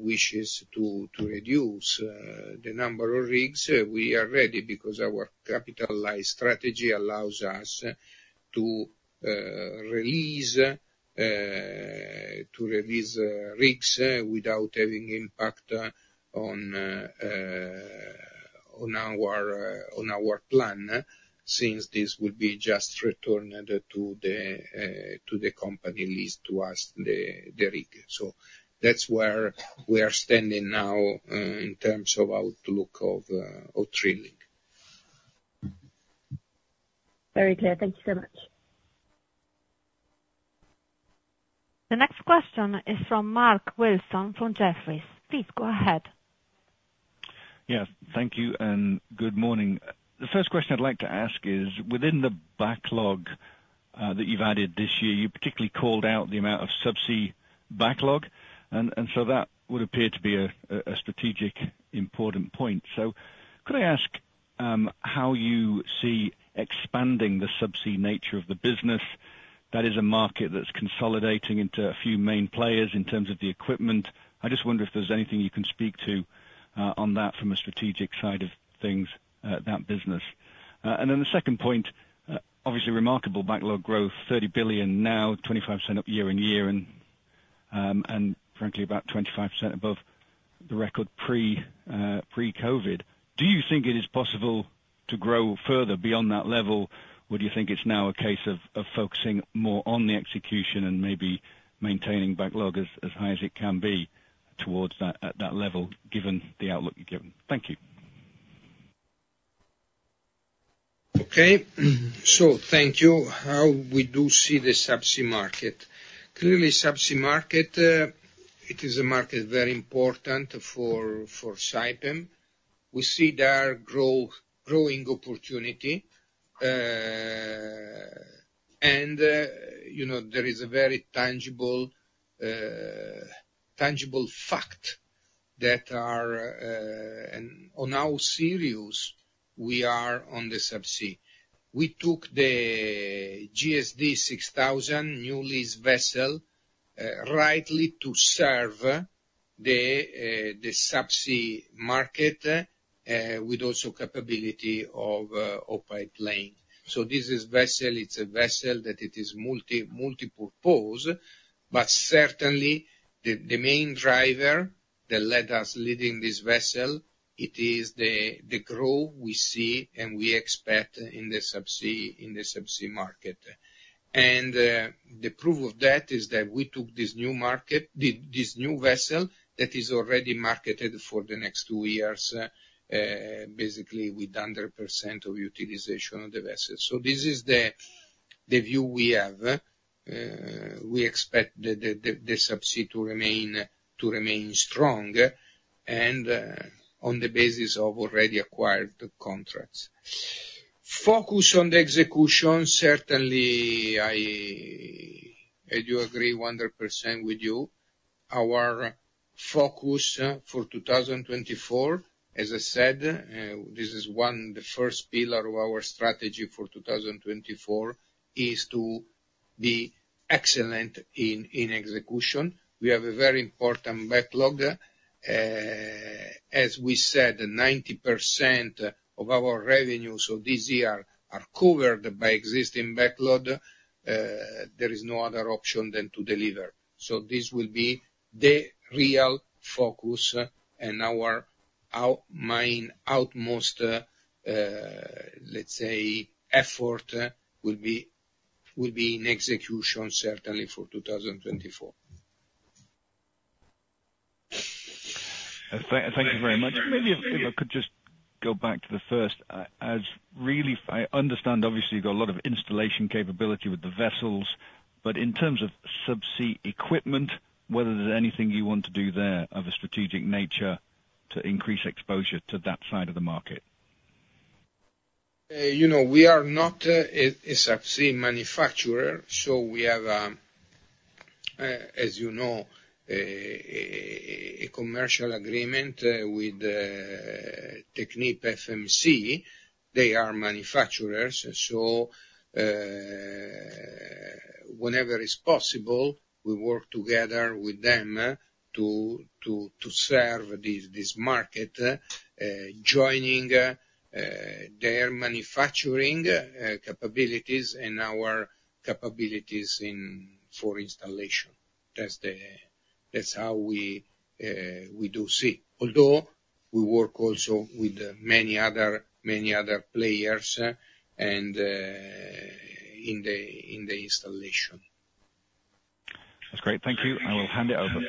wishes to reduce the number of rigs, we are ready because our Capital Light Strategy allows us to release rigs without having impact on our plan since this will be just returned to the company leased to us, the rig. That's where we are standing now in terms of outlook of drilling. Very clear. Thank you so much. The next question is from Mark Wilson from Jefferies. Please go ahead. Yes. Thank you and good morning. The first question I'd like to ask is, within the backlog that you've added this year, you particularly called out the amount of subsea backlog. And so, that would appear to be a strategically important point. So, could I ask how you see expanding the subsea nature of the business? That is a market that's consolidating into a few main players in terms of the equipment. I just wonder if there's anything you can speak to on that from a strategic side of things at that business. And then the second point, obviously remarkable backlog growth, 30 billion now, 25% up year-over-year, and frankly, about 25% above the record pre-COVID. Do you think it is possible to grow further beyond that level? Would you think it's now a case of focusing more on the execution and maybe maintaining backlog as high as it can be towards that level given the outlook you've given? Thank you. Okay. So, thank you. How do we see the subsea market? Clearly, subsea market, it is a market very important for Saipem. We see there growing opportunity. And there is a very tangible fact that are on how serious we are on the subsea. We took the GSD 6000 new leased vessel rightly to serve the subsea market with also capability of open-pipeline. So, this is vessel, it's a vessel that it is multi-purpose, but certainly, the main driver that led us leading this vessel, it is the growth we see and we expect in the subsea market. And the proof of that is that we took this new market, this new vessel that is already marketed for the next two years, basically with 100% of utilization of the vessel. So, this is the view we have. We expect the subsidy to remain strong and on the basis of already acquired contracts. Focus on the execution, certainly. I do agree 100% with you. Our focus for 2024, as I said, this is one of the first pillar of our strategy for 2024 is to be excellent in execution. We have a very important backlog. As we said, 90% of our revenues of this year are covered by existing backlog. There is no other option than to deliver. So, this will be the real focus and our main utmost, let's say, effort will be in execution, certainly, for 2024. Thank you very much. Maybe if I could just go back to the first. I understand, obviously, you've got a lot of installation capability with the vessels, but in terms of subsea equipment, whether there's anything you want to do there of a strategic nature to increase exposure to that side of the market? We are not a subsea manufacturer. So, we have, as you know, a commercial agreement with TechnipFMC. They are manufacturers. So, whenever it's possible, we work together with them to serve this market, joining their manufacturing capabilities and our capabilities for installation. That's how we do see. Although, we work also with many other players in the installation. That's great. Thank you. I will hand it over.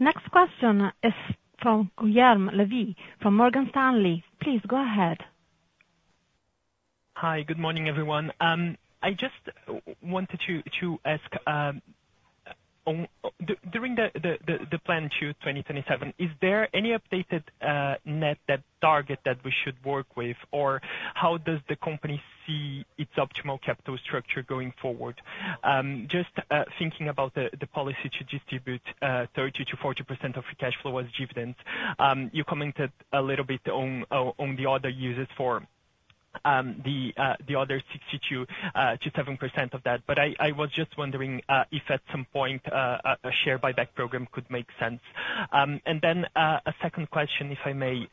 Next question is from Guilherme Levy from Morgan Stanley. Please go ahead. Hi. Good morning, everyone. I just wanted to ask, during the plan to 2027, is there any updated net target that we should work with, or how does the company see its optimal capital structure going forward? Just thinking about the policy to distribute 30%-40% of your cash flow as dividends, you commented a little bit on the other uses for the other 60%-70% of that. But I was just wondering if at some point a share buyback program could make sense. And then a second question, if I may.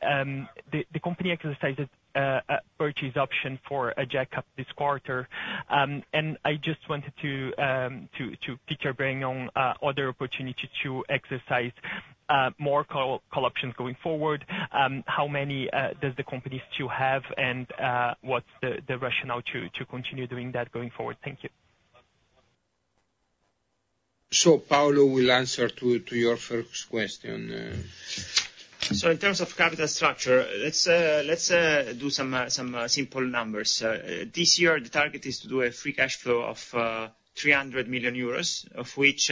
The company exercised a purchase option for a jackup this quarter. And I just wanted to pick your brain on other opportunities to exercise more call options going forward. How many does the company still have, and what's the rationale to continue doing that going forward? Thank you. Paolo, we'll answer to your first question. So, in terms of capital structure, let's do some simple numbers. This year, the target is to do a free cash flow of 300 million euros, of which,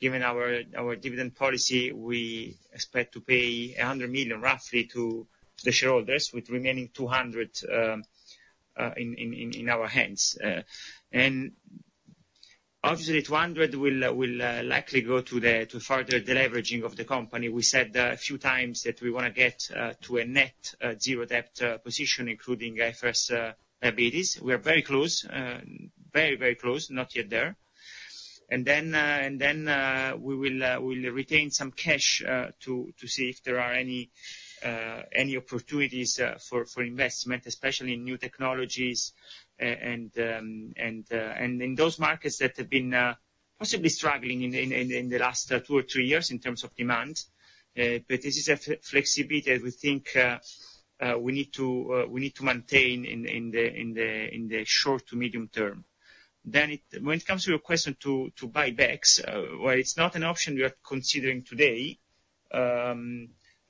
given our dividend policy, we expect to pay 100 million, roughly, to the shareholders with remaining 200 million in our hands. And obviously, 200 million will likely go to further deleveraging of the company. We said a few times that we want to get to a net zero-debt position, including IFRS liabilities. We are very close, very, very close, not yet there. And then we will retain some cash to see if there are any opportunities for investment, especially in new technologies. And in those markets that have been possibly struggling in the last two or three years in terms of demand, but this is a flexibility that we think we need to maintain in the short to medium term. Then, when it comes to your question to buybacks, while it's not an option we are considering today,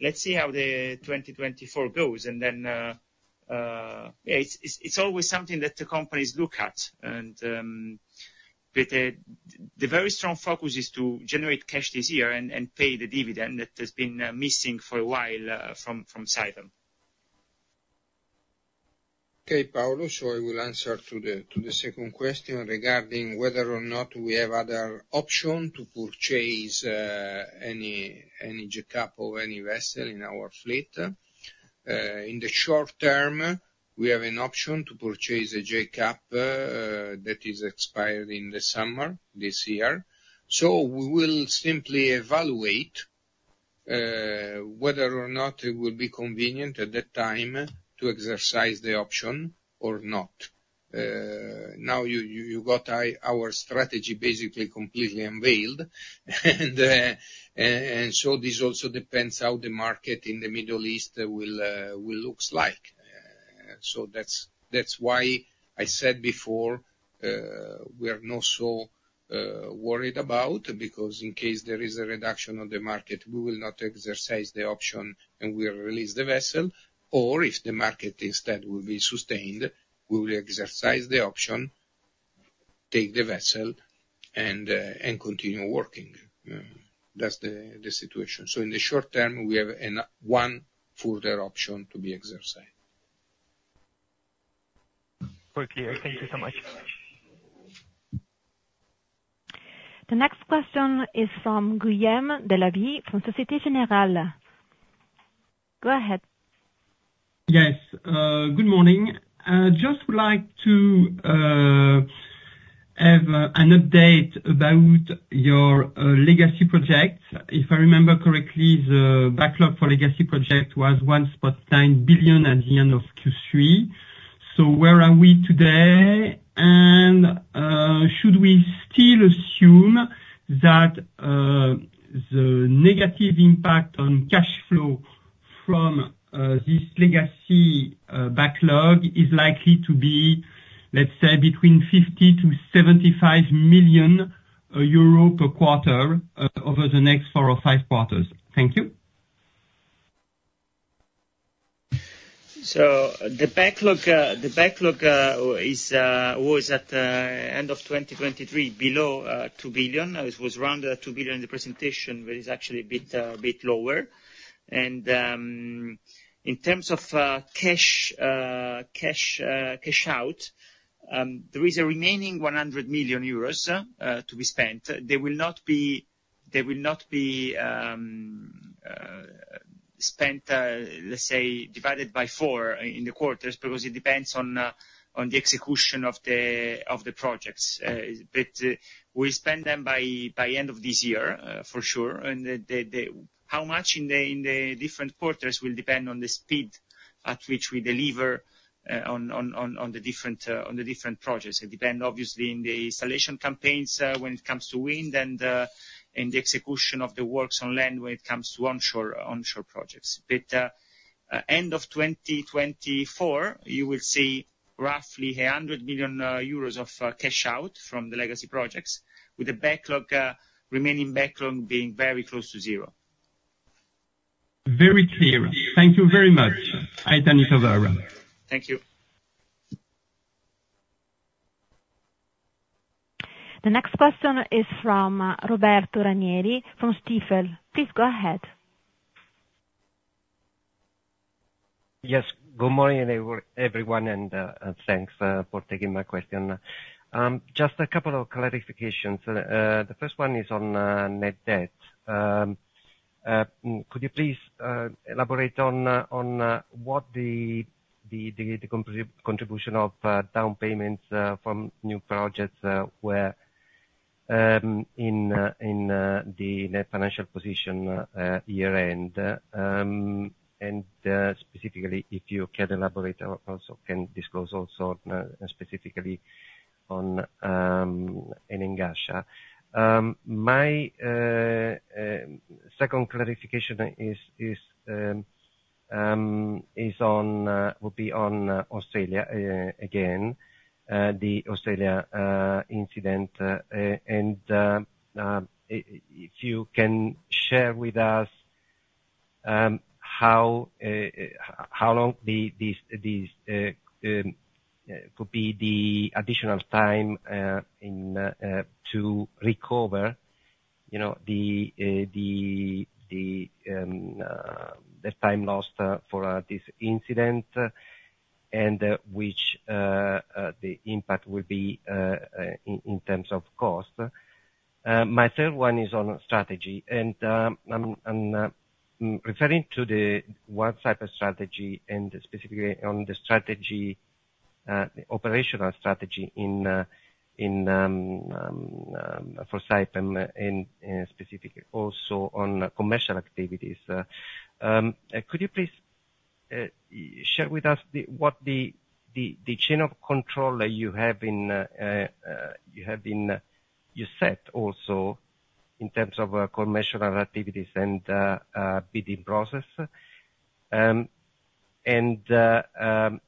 let's see how the 2024 goes. And then, yeah, it's always something that the companies look at. And the very strong focus is to generate cash this year and pay the dividend that has been missing for a while from Saipem. Okay, Paolo. So, I will answer to the second question regarding whether or not we have other options to purchase any Jackup of any vessel in our fleet. In the short term, we have an option to purchase a Jackup that is expired in the summer this year. So, we will simply evaluate whether or not it will be convenient at that time to exercise the option or not. Now, you got our strategy basically completely unveiled. And so, this also depends how the market in the Middle East will look like. So, that's why I said before we are not so worried about because in case there is a reduction of the market, we will not exercise the option and we'll release the vessel. Or if the market instead will be sustained, we will exercise the option, take the vessel, and continue working. That's the situation. So, in the short term, we have one further option to be exercised. Very clear. Thank you so much. The next question is from Guillaume Delaby from Société Générale. Go ahead. Yes. Good morning. I just would like to have an update about your Legacy project. If I remember correctly, the backlog for Legacy project was 1.9 billion at the end of Q3. So, where are we today? And should we still assume that the negative impact on cash flow from this Legacy backlog is likely to be, let's say, between 50 million-75 million euro per quarter over the next four or five quarters? Thank you. So, the backlog was at the end of 2023 below 2 billion. It was rounded at 2 billion in the presentation, but it's actually a bit lower. And in terms of cash out, there is a remaining 100 million euros to be spent. They will not be spent, let's say, divided by four in the quarters because it depends on the execution of the projects. But we'll spend them by end of this year, for sure. And how much in the different quarters will depend on the speed at which we deliver on the different projects. It depends, obviously, in the installation campaigns when it comes to wind and the execution of the works on land when it comes to onshore projects. But end of 2024, you will see roughly 100 million euros of cash out from the legacy projects with the remaining backlog being very close to zero. Very clear. Thank you very much, Aitan Hitovar. Thank you. The next question is from Roberto Ranieri from Stifel. Please go ahead. Yes. Good morning, everyone, and thanks for taking my question. Just a couple of clarifications. The first one is on net debt. Could you please elaborate on what the contribution of down payments from new projects were in the net financial position year-end? And specifically, if you can elaborate, also can disclose specifically on Enagás. My second clarification will be on Australia, again, the Australia incident. If you can share with us how long could be the additional time to recover the time lost for this incident and the impact will be in terms of cost. My third one is on strategy. I'm referring to what type of strategy and specifically on the operational strategy for Saipem and specifically also on commercial activities. Could you please share with us what the chain of control that you have in your setup also in terms of commercial activities and bidding process? And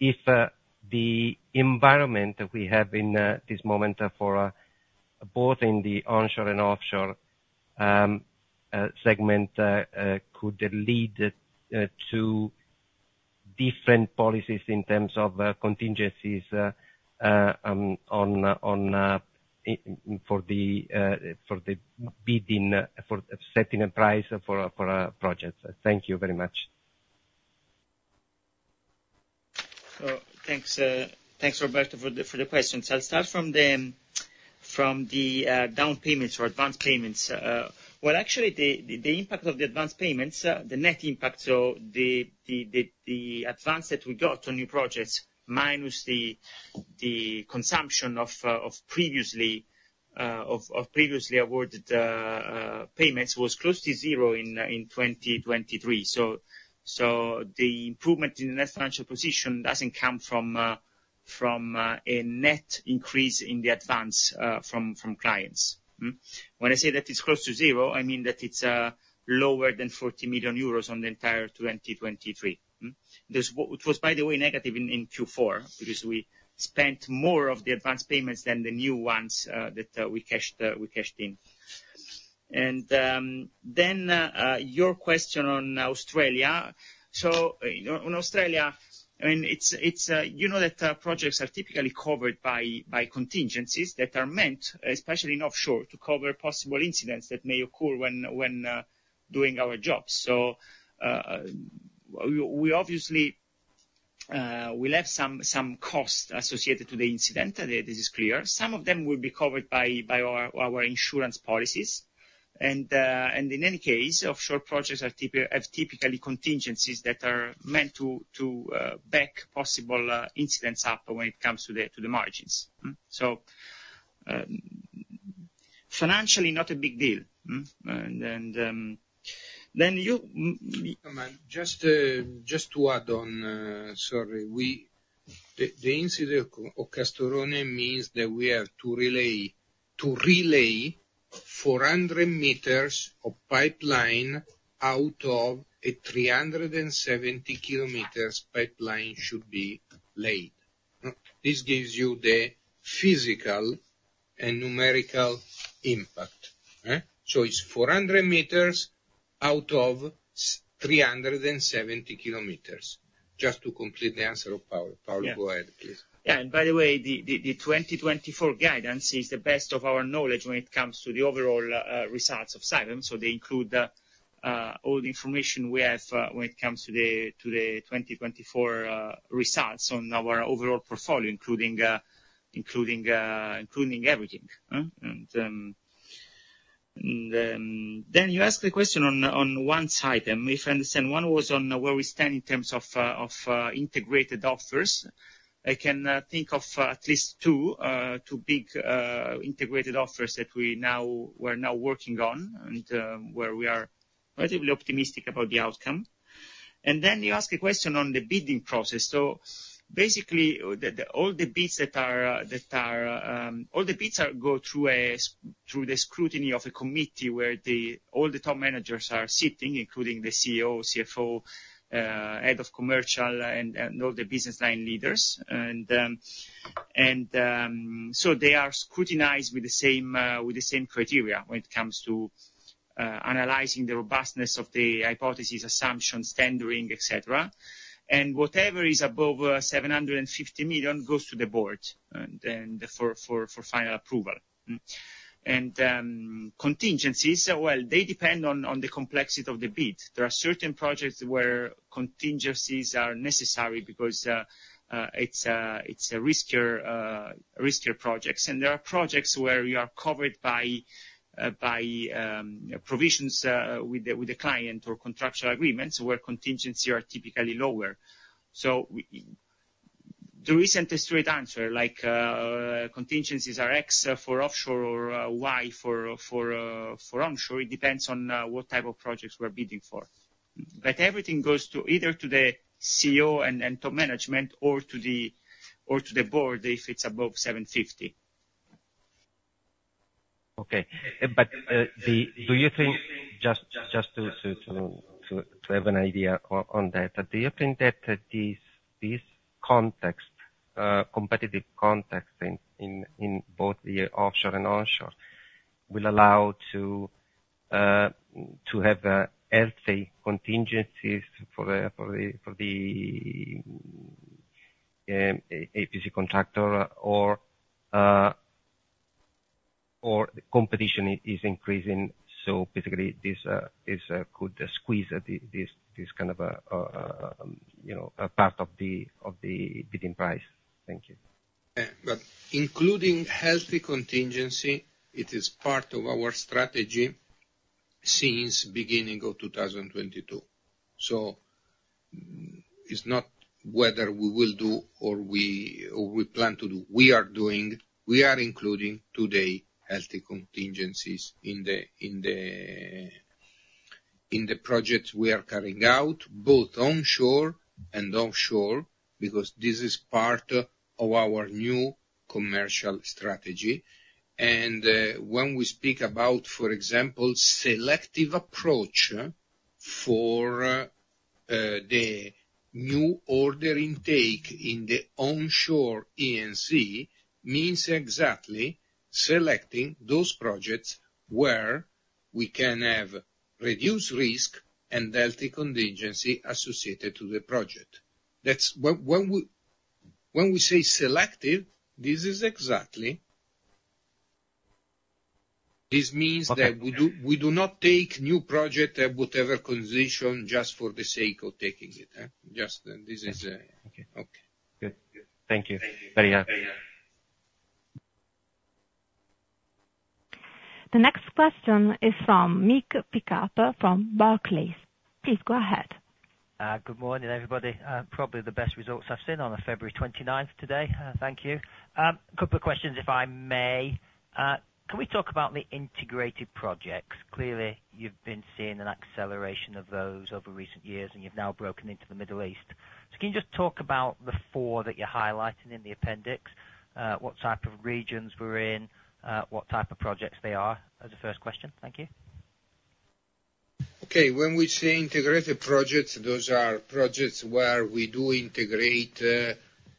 if the environment that we have in this moment for both in the onshore and offshore segment could lead to different policies in terms of contingencies for setting a price for projects? Thank you very much. Thanks, Roberto, for the questions. I'll start from the down payments or advance payments. Well, actually, the impact of the advance payments, the net impact, so the advance that we got on new projects minus the consumption of previously awarded payments was close to zero in 2023. So the improvement in the net financial position doesn't come from a net increase in the advance from clients. When I say that it's close to zero, I mean that it's lower than 40 million euros on the entire 2023. It was, by the way, negative in Q4 because we spent more of the advance payments than the new ones that we cashed in. And then your question on Australia. So, in Australia, I mean, you know that projects are typically covered by contingencies that are meant, especially in offshore, to cover possible incidents that may occur when doing our jobs. So, obviously, we'll have some cost associated to the incident. This is clear. Some of them will be covered by our insurance policies. And in any case, offshore projects have typically contingencies that are meant to back possible incidents up when it comes to the margins. So, financially, not a big deal. And then you. Just to add on, sorry. The incident of Castorone means that we have to relay 400 m of pipeline out of a 370 km pipeline should be laid. This gives you the physical and numerical impact. So, it's 400 m out of 370 km. Just to complete the answer of Paolo, Paolo, go ahead, please. Yeah. And by the way, the 2024 guidance is the best of our knowledge when it comes to the overall results of Saipem. So, they include all the information we have when it comes to the 2024 results on our overall portfolio, including everything. And then you asked the question on One Saipem. If I understand, One Saipem was on where we stand in terms of integrated offers. I can think of at least two big integrated offers that we're now working on and where we are relatively optimistic about the outcome. And then you ask a question on the bidding process. So, basically, all the bids that are all the bids go through the scrutiny of a committee where all the top managers are sitting, including the CEO, CFO, head of commercial, and all the business line leaders. They are scrutinized with the same criteria when it comes to analyzing the robustness of the hypothesis, assumptions, tendering, etc. Whatever is above 750 million goes to the board for final approval. Contingencies, well, they depend on the complexity of the bid. There are certain projects where contingencies are necessary because it's riskier projects. There are projects where you are covered by provisions with the client or contractual agreements where contingencies are typically lower. There isn't a straight answer. Contingencies are X for offshore or Y for onshore. It depends on what type of projects we're bidding for. Everything goes either to the CEO and top management or to the board if it's above 750 million. Okay. But do you think just to have an idea on that, do you think that this competitive context in both the offshore and onshore will allow to have healthy contingencies for the EPC contractor or the competition is increasing? So, basically, this could squeeze this kind of a part of the bidding price. Thank you. Including healthy contingency, it is part of our strategy since beginning of 2022. It's not whether we will do or we plan to do. We are doing. We are including today healthy contingencies in the projects we are carrying out, both onshore and offshore, because this is part of our new commercial strategy. When we speak about, for example, selective approach for the new order intake in the onshore E&C means exactly selecting those projects where we can have reduced risk and healthy contingency associated to the project. When we say selective, this means that we do not take new projects at whatever condition just for the sake of taking it. This is a. Okay. Thank you. Very helpful. The next question is from Mick Pickup from Barclays. Please go ahead. Good morning, everybody. Probably the best results I've seen on February 29th today. Thank you. A couple of questions, if I may. Can we talk about the integrated projects? Clearly, you've been seeing an acceleration of those over recent years, and you've now broken into the Middle East. So can you just talk about the four that you're highlighting in the appendix? What type of regions we're in, what type of projects they are as a first question? Thank you. Okay. When we say integrated projects, those are projects where we do integrate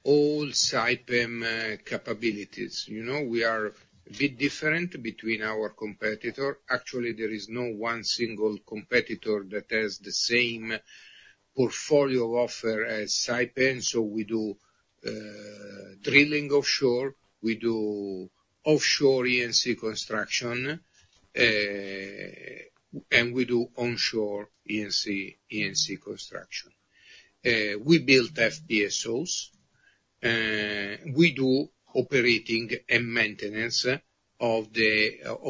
all Saipem capabilities. We are a bit different between our competitor. Actually, there is no one single competitor that has the same portfolio offer as Saipem. So we do drilling offshore. We do offshore E&C construction. And we do onshore E&C construction. We build FPSOs. We do operating and maintenance of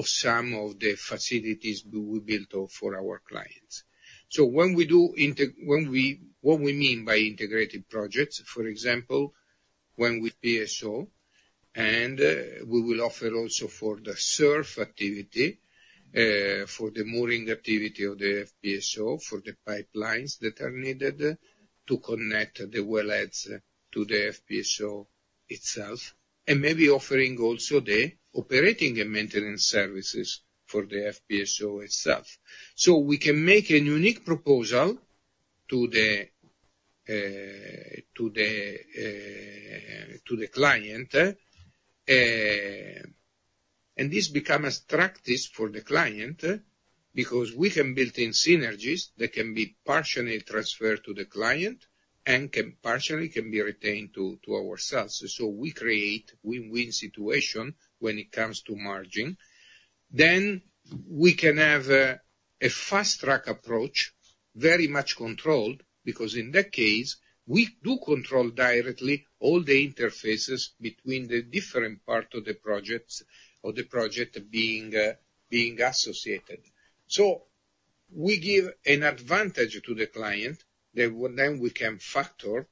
some of the facilities we built for our clients. So what we mean by integrated projects, for example, when FPSO. And we will offer also for the SURF activity, for the mooring activity of the FPSO, for the pipelines that are needed to connect the wellheads to the FPSO itself, and maybe offering also the operating and maintenance services for the FPSO itself. So we can make a unique proposal to the client. This becomes practice for the client because we can build in synergies that can be partially transferred to the client and partially can be retained to ourselves. We create a win-win situation when it comes to margin. We can have a fast-track approach, very much controlled, because in that case, we do control directly all the interfaces between the different parts of the projects or the project being associated. We give an advantage to the client that then we can factor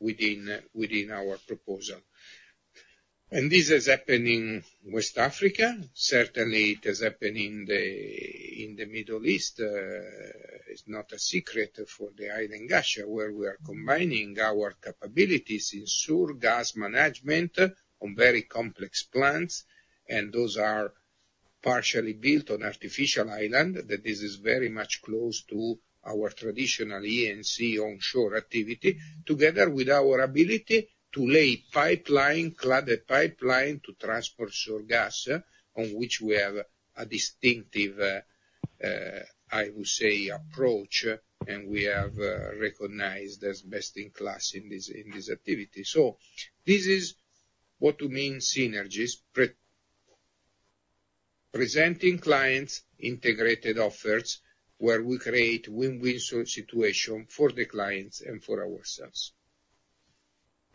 within our proposal. This is happening in West Africa. Certainly, it is happening in the Middle East. It's not a secret for the Hail and Ghasha where we are combining our capabilities in SURF, gas management on very complex plants. Those are partially built on artificial island that this is very much close to our traditional E&C onshore activity together with our ability to lay cladded pipeline to transport sour gas on which we have a distinctive, I would say, approach. And we are recognized as best in class in this activity. So this is what we mean synergies: presenting clients integrated offers where we create a win-win situation for the clients and for ourselves.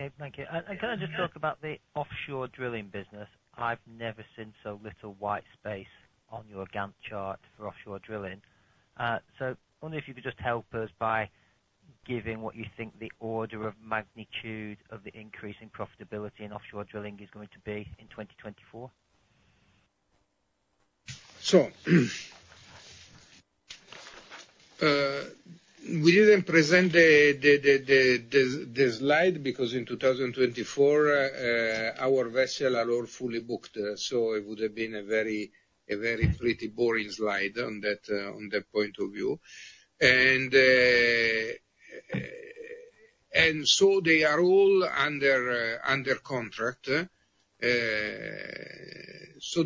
Okay. Thank you. Can I just talk about the offshore drilling business? I've never seen so little white space on your Gantt chart for offshore drilling. So I wonder if you could just help us by giving what you think the order of magnitude of the increase in profitability in offshore drilling is going to be in 2024. So we didn't present the slide because in 2024, our vessels are all fully booked. So it would have been a very pretty, boring slide on that point of view. And so they are all under contract. So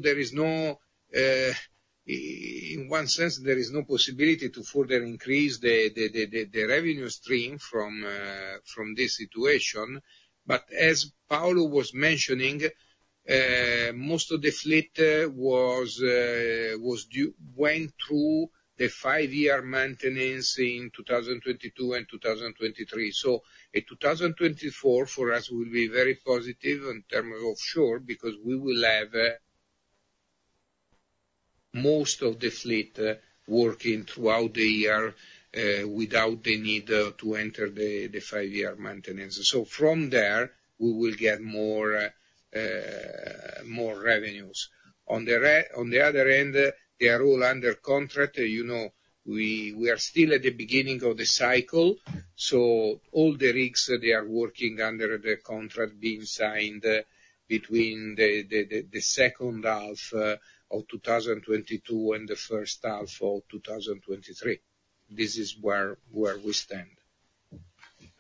in one sense, there is no possibility to further increase the revenue stream from this situation. But as Paolo was mentioning, most of the fleet went through the five-year maintenance in 2022 and 2023. So 2024, for us, will be very positive in terms of offshore because we will have most of the fleet working throughout the year without the need to enter the five-year maintenance. So from there, we will get more revenues. On the other hand, they are all under contract. We are still at the beginning of the cycle. All the rigs, they are working under the contract being signed between the second half of 2022 and the first half of 2023. This is where we stand.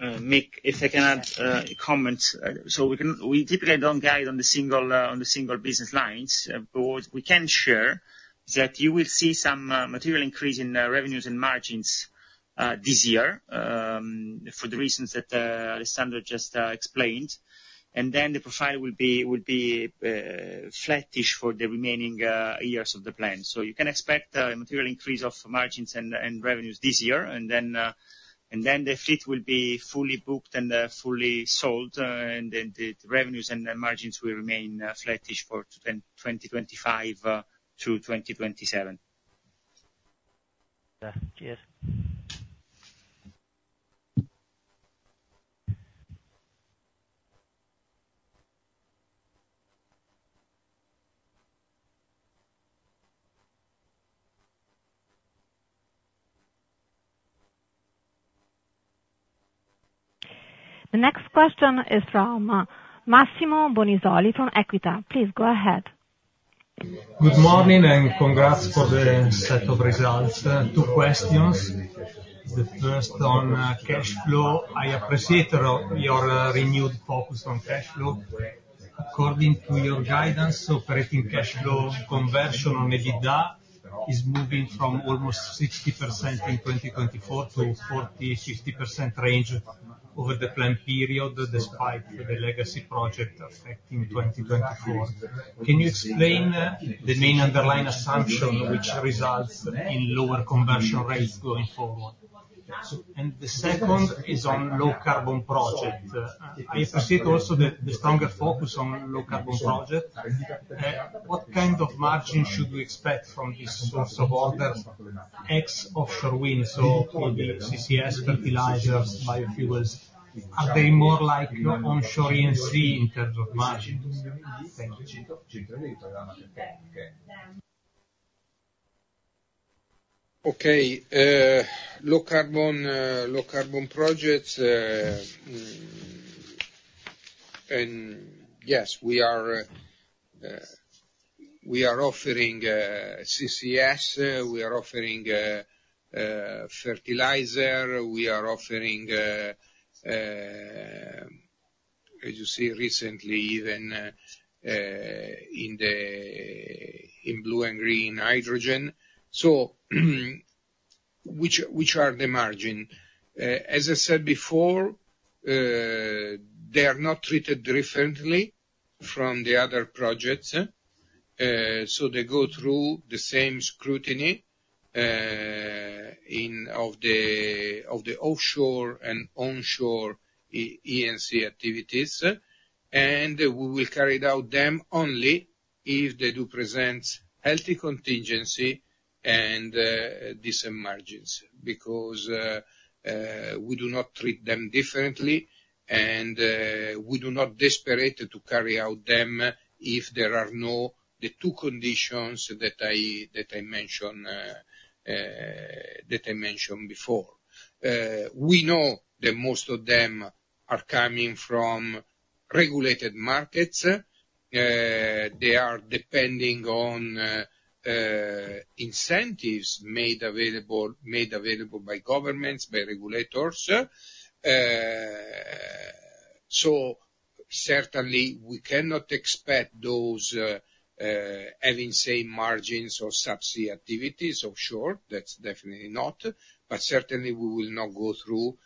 Mick, if I can add a comment. So we typically don't guide on the single business lines, but what we can share is that you will see some material increase in revenues and margins this year for the reasons that Alessandro just explained. And then the profile will be flattish for the remaining years of the plan. So you can expect a material increase of margins and revenues this year. And then the fleet will be fully booked and fully sold. And then the revenues and margins will remain flattish for 2025 through 2027. Yeah. Cheers. The next question is from Massimo Bonisoli from Equita. Please go ahead. Good morning and congrats for the set of results. Two questions. The first on cash flow. I appreciate your renewed focus on cash flow. According to your guidance, operating cash flow conversion on EBITDA is moving from almost 60% in 2024 to 40%-60% range over the plan period despite the legacy project affecting 2024. Can you explain the main underlying assumption which results in lower conversion rates going forward? And the second is on low-carbon project. I appreciate also the stronger focus on low-carbon project. What kind of margin should we expect from this source of order? X offshore wind, so maybe CCS, fertilizers, biofuels. Are they more like onshore E&C in terms of margins? Thank you. Okay. Low-carbon projects. And yes, we are offering CCS. We are offering fertilizer. We are offering, as you see recently, even in blue and green, hydrogen. So which are the margin? As I said before, they are not treated differently from the other projects. They go through the same scrutiny of the offshore and onshore E&C activities. We will carry them out only if they do present healthy contingency and decent margins because we do not treat them differently. We are not desperate to carry them out if there are not the two conditions that I mentioned before. We know that most of them are coming from regulated markets. They are depending on incentives made available by governments, by regulators. Certainly, we cannot expect those having same margins or subsidy activities offshore. That's definitely not. But certainly, we will not go through.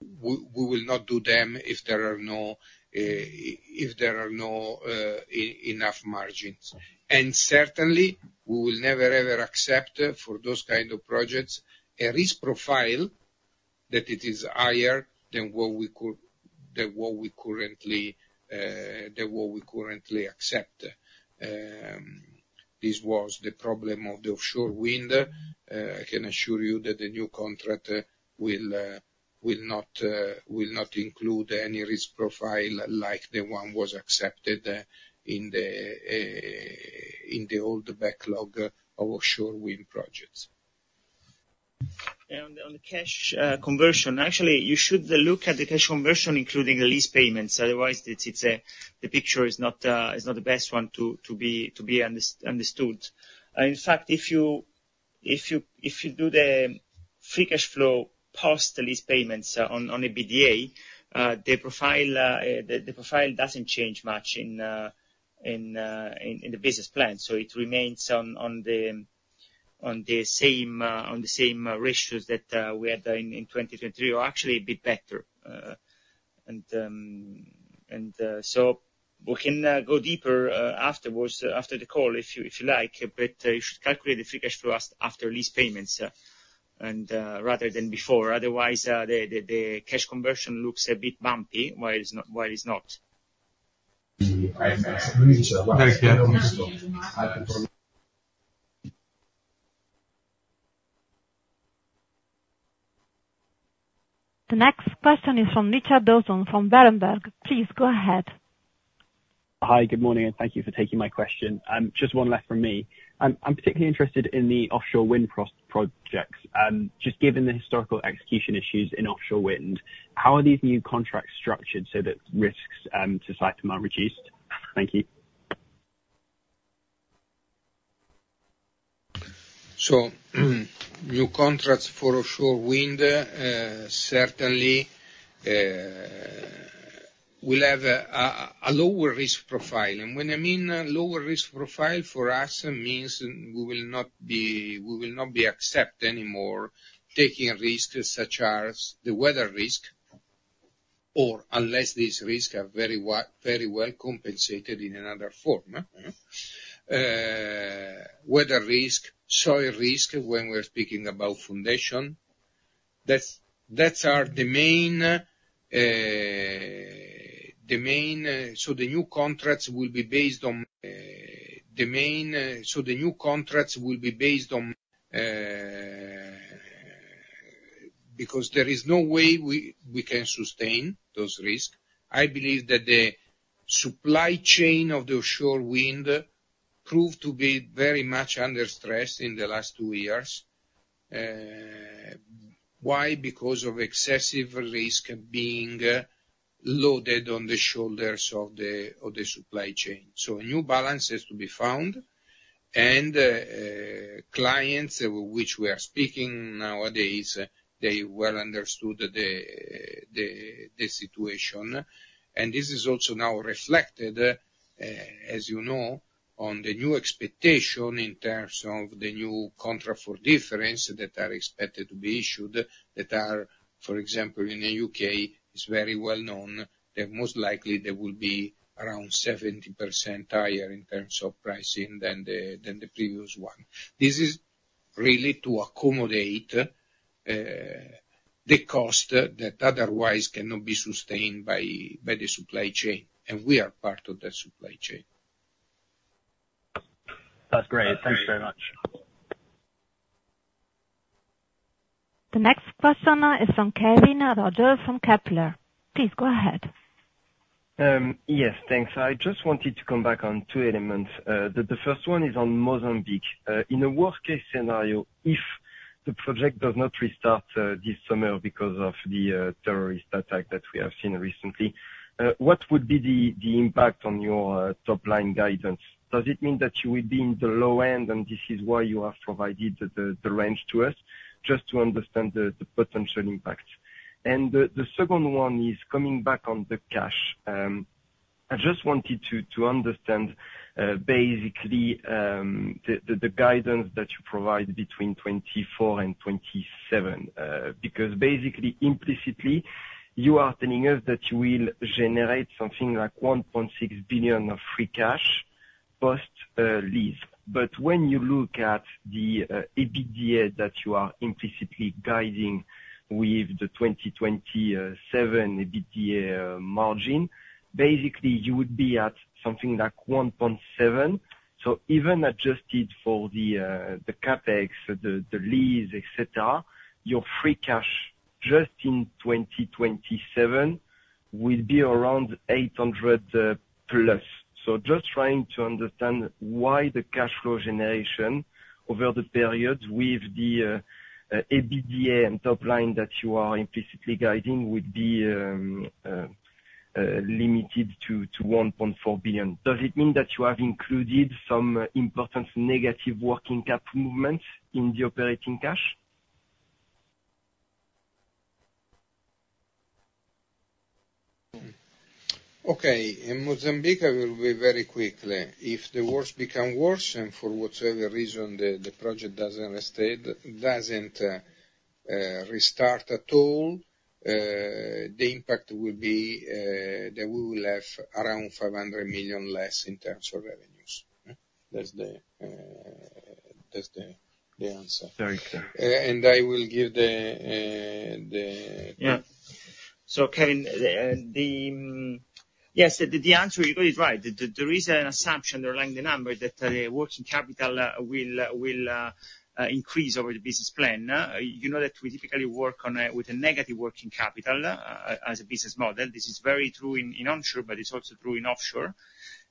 We will not do them if there are not enough margins. And certainly, we will never, ever accept for those kind of projects a risk profile that it is higher than what we currently accept. This was the problem of the offshore wind. I can assure you that the new contract will not include any risk profile like the one was accepted in the old backlog of offshore wind projects. On the cash conversion, actually, you should look at the cash conversion including the lease payments. Otherwise, the picture is not the best one to be understood. In fact, if you do the free cash flow post lease payments on an EBITDA, the profile doesn't change much in the business plan. So it remains on the same ratios that we had in 2023 or actually a bit better. And so we can go deeper afterwards, after the call, if you like. But you should calculate the free cash flow after lease payments rather than before. Otherwise, the cash conversion looks a bit bumpy while it's not. Thank you. The next question is from Richard Dawson from Berenberg. Please go ahead. Hi. Good morning. Thank you for taking my question. Just one left from me. I'm particularly interested in the offshore wind projects. Just given the historical execution issues in offshore wind, how are these new contracts structured so that risks to Saipem are reduced? Thank you. New contracts for offshore wind, certainly, will have a lower risk profile. When I mean lower risk profile, for us, it means we will not accept anymore taking risks such as the weather risk, unless these risks are very well compensated in another form. Weather risk, soil risk when we're speaking about foundation. That's the main. So the new contracts will be based on because there is no way we can sustain those risks. I believe that the supply chain of the offshore wind proved to be very much under stress in the last two years. Why? Because of excessive risk being loaded on the shoulders of the supply chain. So a new balance has to be found. Clients with which we are speaking nowadays, they well understood the situation. This is also now reflected, as you know, on the new expectation in terms of the new contract for difference that are expected to be issued that are for example, in the U.K., it's very well known that most likely there will be around 70% higher in terms of pricing than the previous one. This is really to accommodate the cost that otherwise cannot be sustained by the supply chain. We are part of that supply chain. That's great. Thanks very much. The next question is from Kevin Roger from Kepler. Please go ahead. Yes. Thanks. I just wanted to come back on two elements. The first one is on Mozambique. In a worst-case scenario, if the project does not restart this summer because of the terrorist attack that we have seen recently, what would be the impact on your top-line guidance? Does it mean that you will be in the low end, and this is why you have provided the range to us? Just to understand the potential impact. And the second one is coming back on the cash. I just wanted to understand, basically, the guidance that you provide between 2024 and 2027 because basically, implicitly, you are telling us that you will generate something like 1.6 billion of free cash post-lease. But when you look at the EBITDA that you are implicitly guiding with the 2027 EBITDA margin, basically, you would be at something like 1.7 billion. So even adjusted for the CapEx, the lease, etc., your free cash just in 2027 will be around 800+ million. So just trying to understand why the cash flow generation over the period with the EBITDA and top-line that you are implicitly guiding would be limited to 1.4 billion. Does it mean that you have included some important negative working cap movements in the operating cash? Okay. In Mozambique, I will be very quick. If the worst becomes worse and for whatsoever reason the project doesn't restart, at all, the impact will be that we will have around 500 million less in terms of revenues. That's the answer. And I will give the. Yeah. So Kevin, yes, the answer you got is right. There is an assumption underlying the number that the working capital will increase over the business plan. You know that we typically work with a negative working capital as a business model. This is very true in onshore, but it's also true in offshore.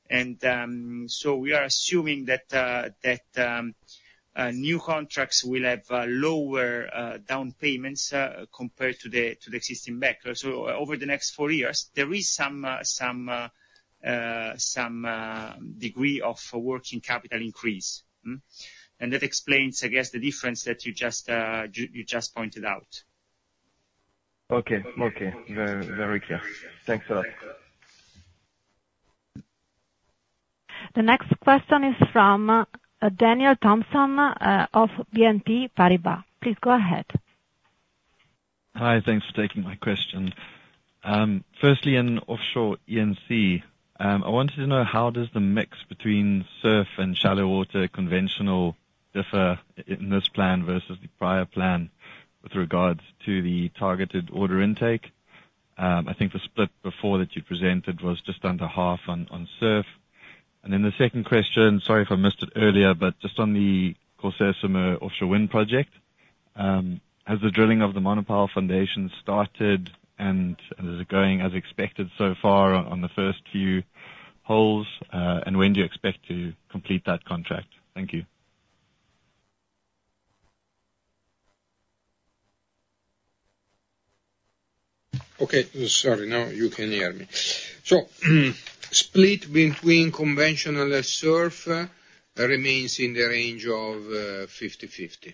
And so we are assuming that new contracts will have lower down payments compared to the existing backlog. So over the next four years, there is some degree of working capital increase. And that explains, I guess, the difference that you just pointed out. Okay. Okay. Very clear. Thanks a lot. The next question is from Daniel Thomson of BNP Paribas. Please go ahead. Hi. Thanks for taking my question. Firstly, in offshore E&C, I wanted to know how does the mix between surf and shallow water conventional differ in this plan versus the prior plan with regards to the targeted order intake? I think the split before that you presented was just under half on surf. And then the second question—sorry if I missed it earlier—but just on the Courseulles-sur-Mer offshore wind project, has the drilling of the monopile foundation started and is it going as expected so far on the first few holes? And when do you expect to complete that contract? Thank you. Okay. Sorry. Now you can hear me. Split between conventional and SURF remains in the range of 50/50.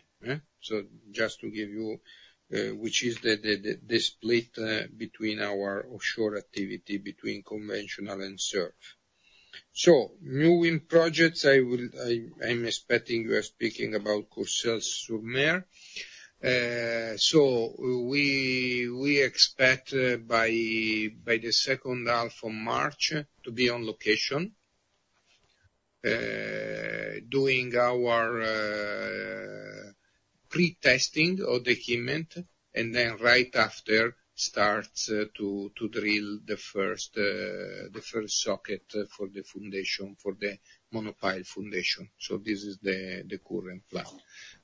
Just to give you which is the split between our offshore activity between conventional and SURF. New wind projects, I'm expecting you are speaking about Courseulles-sur-Mer. We expect by the second half of March to be on location doing our pre-testing of the equipment. And then right after, starts to drill the first socket for the foundation, for the monopile foundation. This is the current plan.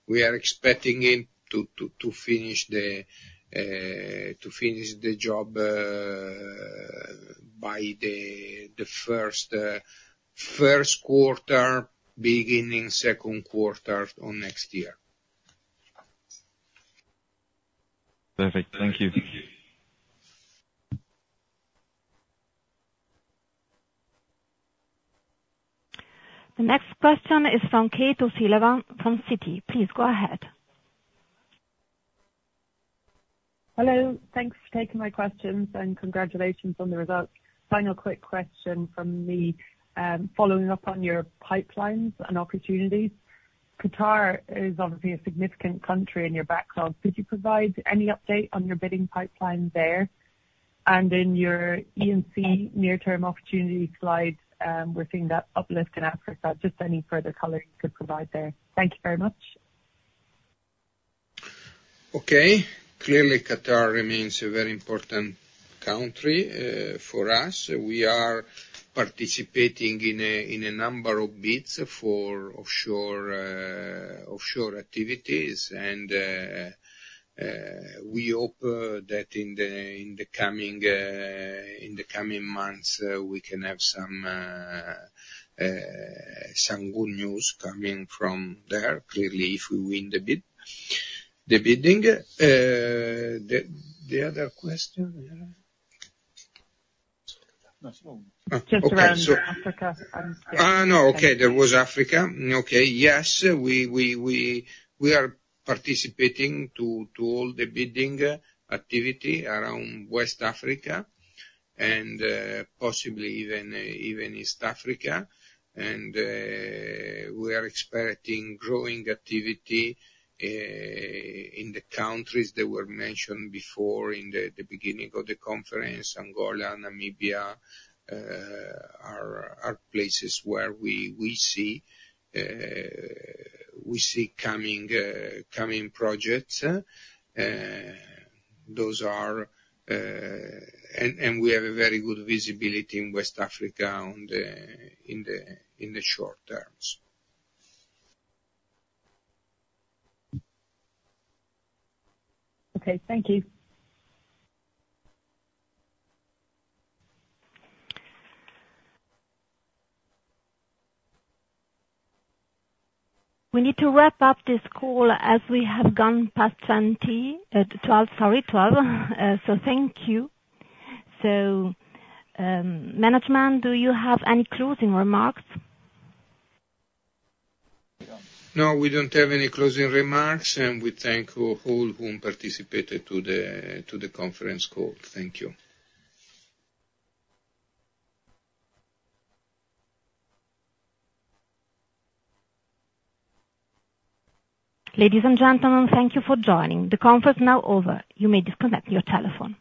We are expecting to finish the job by the first quarter, beginning second quarter of next year. Perfect. Thank you. The next question is from Kate O'Sullivan from Citi. Please go ahead. Hello. Thanks for taking my questions, and congratulations on the results. Final quick question from me following up on your pipelines and opportunities. Qatar is obviously a significant country in your backlog. Could you provide any update on your bidding pipeline there? And in your E&C near-term opportunity slide, we're seeing that uplift in Africa. Just any further color you could provide there. Thank you very much. Okay. Clearly, Qatar remains a very important country for us. We are participating in a number of bids for offshore activities. We hope that in the coming months, we can have some good news coming from there, clearly, if we win the bidding. The other question? Just around Africa. Yes, we are participating to all the bidding activity around West Africa and possibly even East Africa. And we are expecting growing activity in the countries that were mentioned before in the beginning of the conference. Angola, Namibia are places where we see coming projects. And we have a very good visibility in West Africa in the short term. Okay. Thank you. We need to wrap up this call as we have gone past 10:00 A.M. Sorry, 12:00 P.M. Thank you. Management, do you have any closing remarks? No, we don't have any closing remarks. We thank all whom participated to the conference call. Thank you. Ladies and gentlemen, thank you for joining. The conference is now over. You may disconnect your telephone.